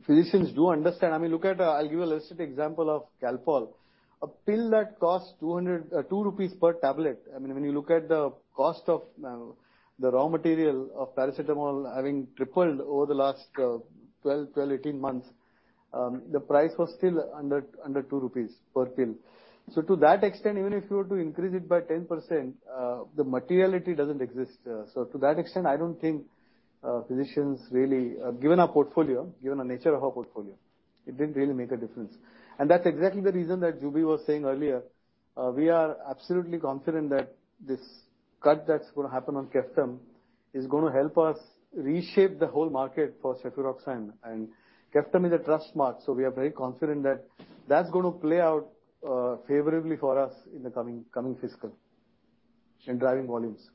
Physicians do understand. I mean, look at. I'll give a listed example of CALPOL. A pill that costs 2 rupees per tablet. I mean, when you look at the cost of the raw material of paracetamol having tripled over the last 12-18 months, the price was still under 2 rupees per pill. So to that extent, even if you were to increase it by 10%, the materiality doesn't exist. So to that extent, I don't think physicians really given our portfolio, given the nature of our portfolio, it didn't really make a difference. That's exactly the reason that Juby was saying earlier. We are absolutely confident that this cut that's gonna happen on KEFTAB is gonna help us reshape the whole market for cefuroxime. KEFTAB is a trust mark, so we are very confident that that's gonna play out favorably for us in the coming fiscal in driving volumes.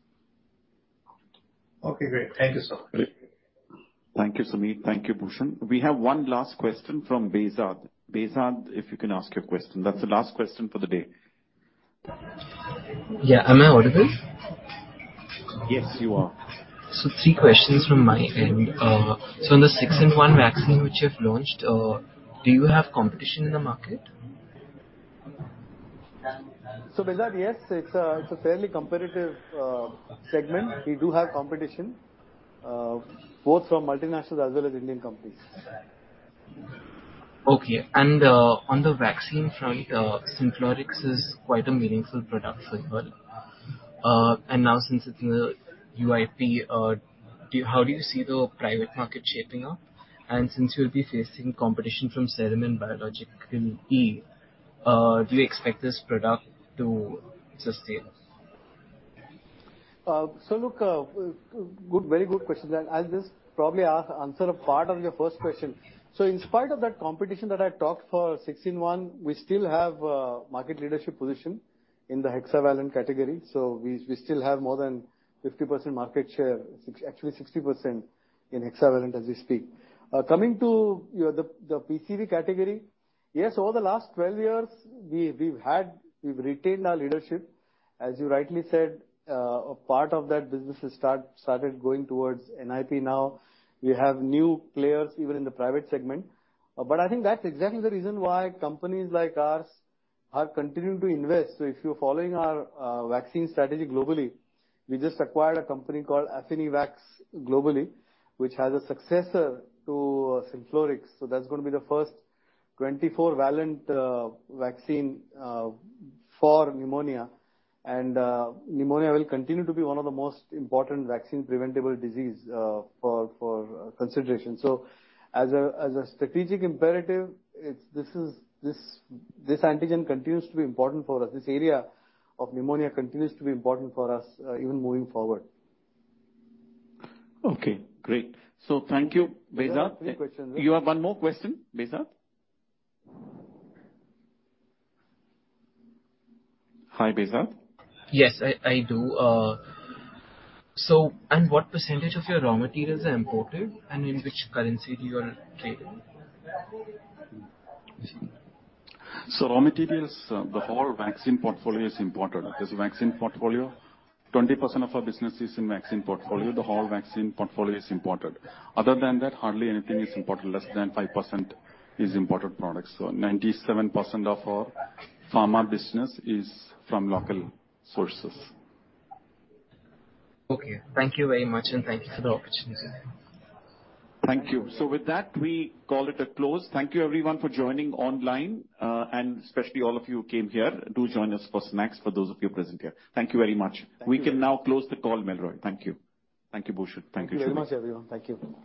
Okay, great. Thank you, sir. Great. Thank you, Sumeet. Thank you, Bhushan. We have one last question from Behzad. Behzad, if you can ask your question. That's the last question for the day. Yeah. Am I audible? Yes, you are. Three questions from my end. On the 6-in-1 vaccine which you have launched, do you have competition in the market? Behzad, yes, it's a fairly competitive segment. We do have competition both from multinationals as well as Indian companies. Okay. On the vaccine front, SYNFLORIX is quite a meaningful product for you all. Now since it's in the UIP, how do you see the private market shaping up? Since you'll be facing competition from Serum and Biological E, do you expect this product to sustain? Good, very good question. I'll just probably answer a part of your first question. In spite of that competition that I talked for 6-in-1, we still have a market leadership position in the hexavalent category. We still have more than 50% market share, actually 60% in hexavalent as we speak. Coming to the PCV category. Yes, over the last 12 years, we've had, we've retained our leadership. As you rightly said, a part of that business has started going towards NIP now. We have new players even in the private segment. I think that's exactly the reason why companies like ours are continuing to invest. If you're following our vaccine strategy globally, we just acquired a company called Affinivax globally, which has a successor to SYNFLORIX. That's gonna be the first 24-valent vaccine for pneumonia. Pneumonia will continue to be one of the most important vaccine preventable disease for consideration. As a strategic imperative, this antigen continues to be important for us. This area of pneumonia continues to be important for us even moving forward. Okay, great. Thank you, Behzad. Sir, three questions. You have one more question, Behzad? Hi, Behzad. Yes, I do. What percentage of your raw materials are imported, and in which currency do you trade in? Raw materials, the whole vaccine portfolio is imported. This vaccine portfolio, 20% of our business is in vaccine portfolio. The whole vaccine portfolio is imported. Other than that, hardly anything is imported. Less than 5% is imported products. 97% of our pharma business is from local sources. Okay. Thank you very much. Thank you for the opportunity. Thank you. With that, we call it a close. Thank you everyone for joining online, especially all of you who came here. Do join us for snacks for those of you present here. Thank you very much. Thank you. We can now close the call, Melroy. Thank you. Thank you, Bhushan. Thank you, Sumeet. Thank you very much, everyone. Thank you.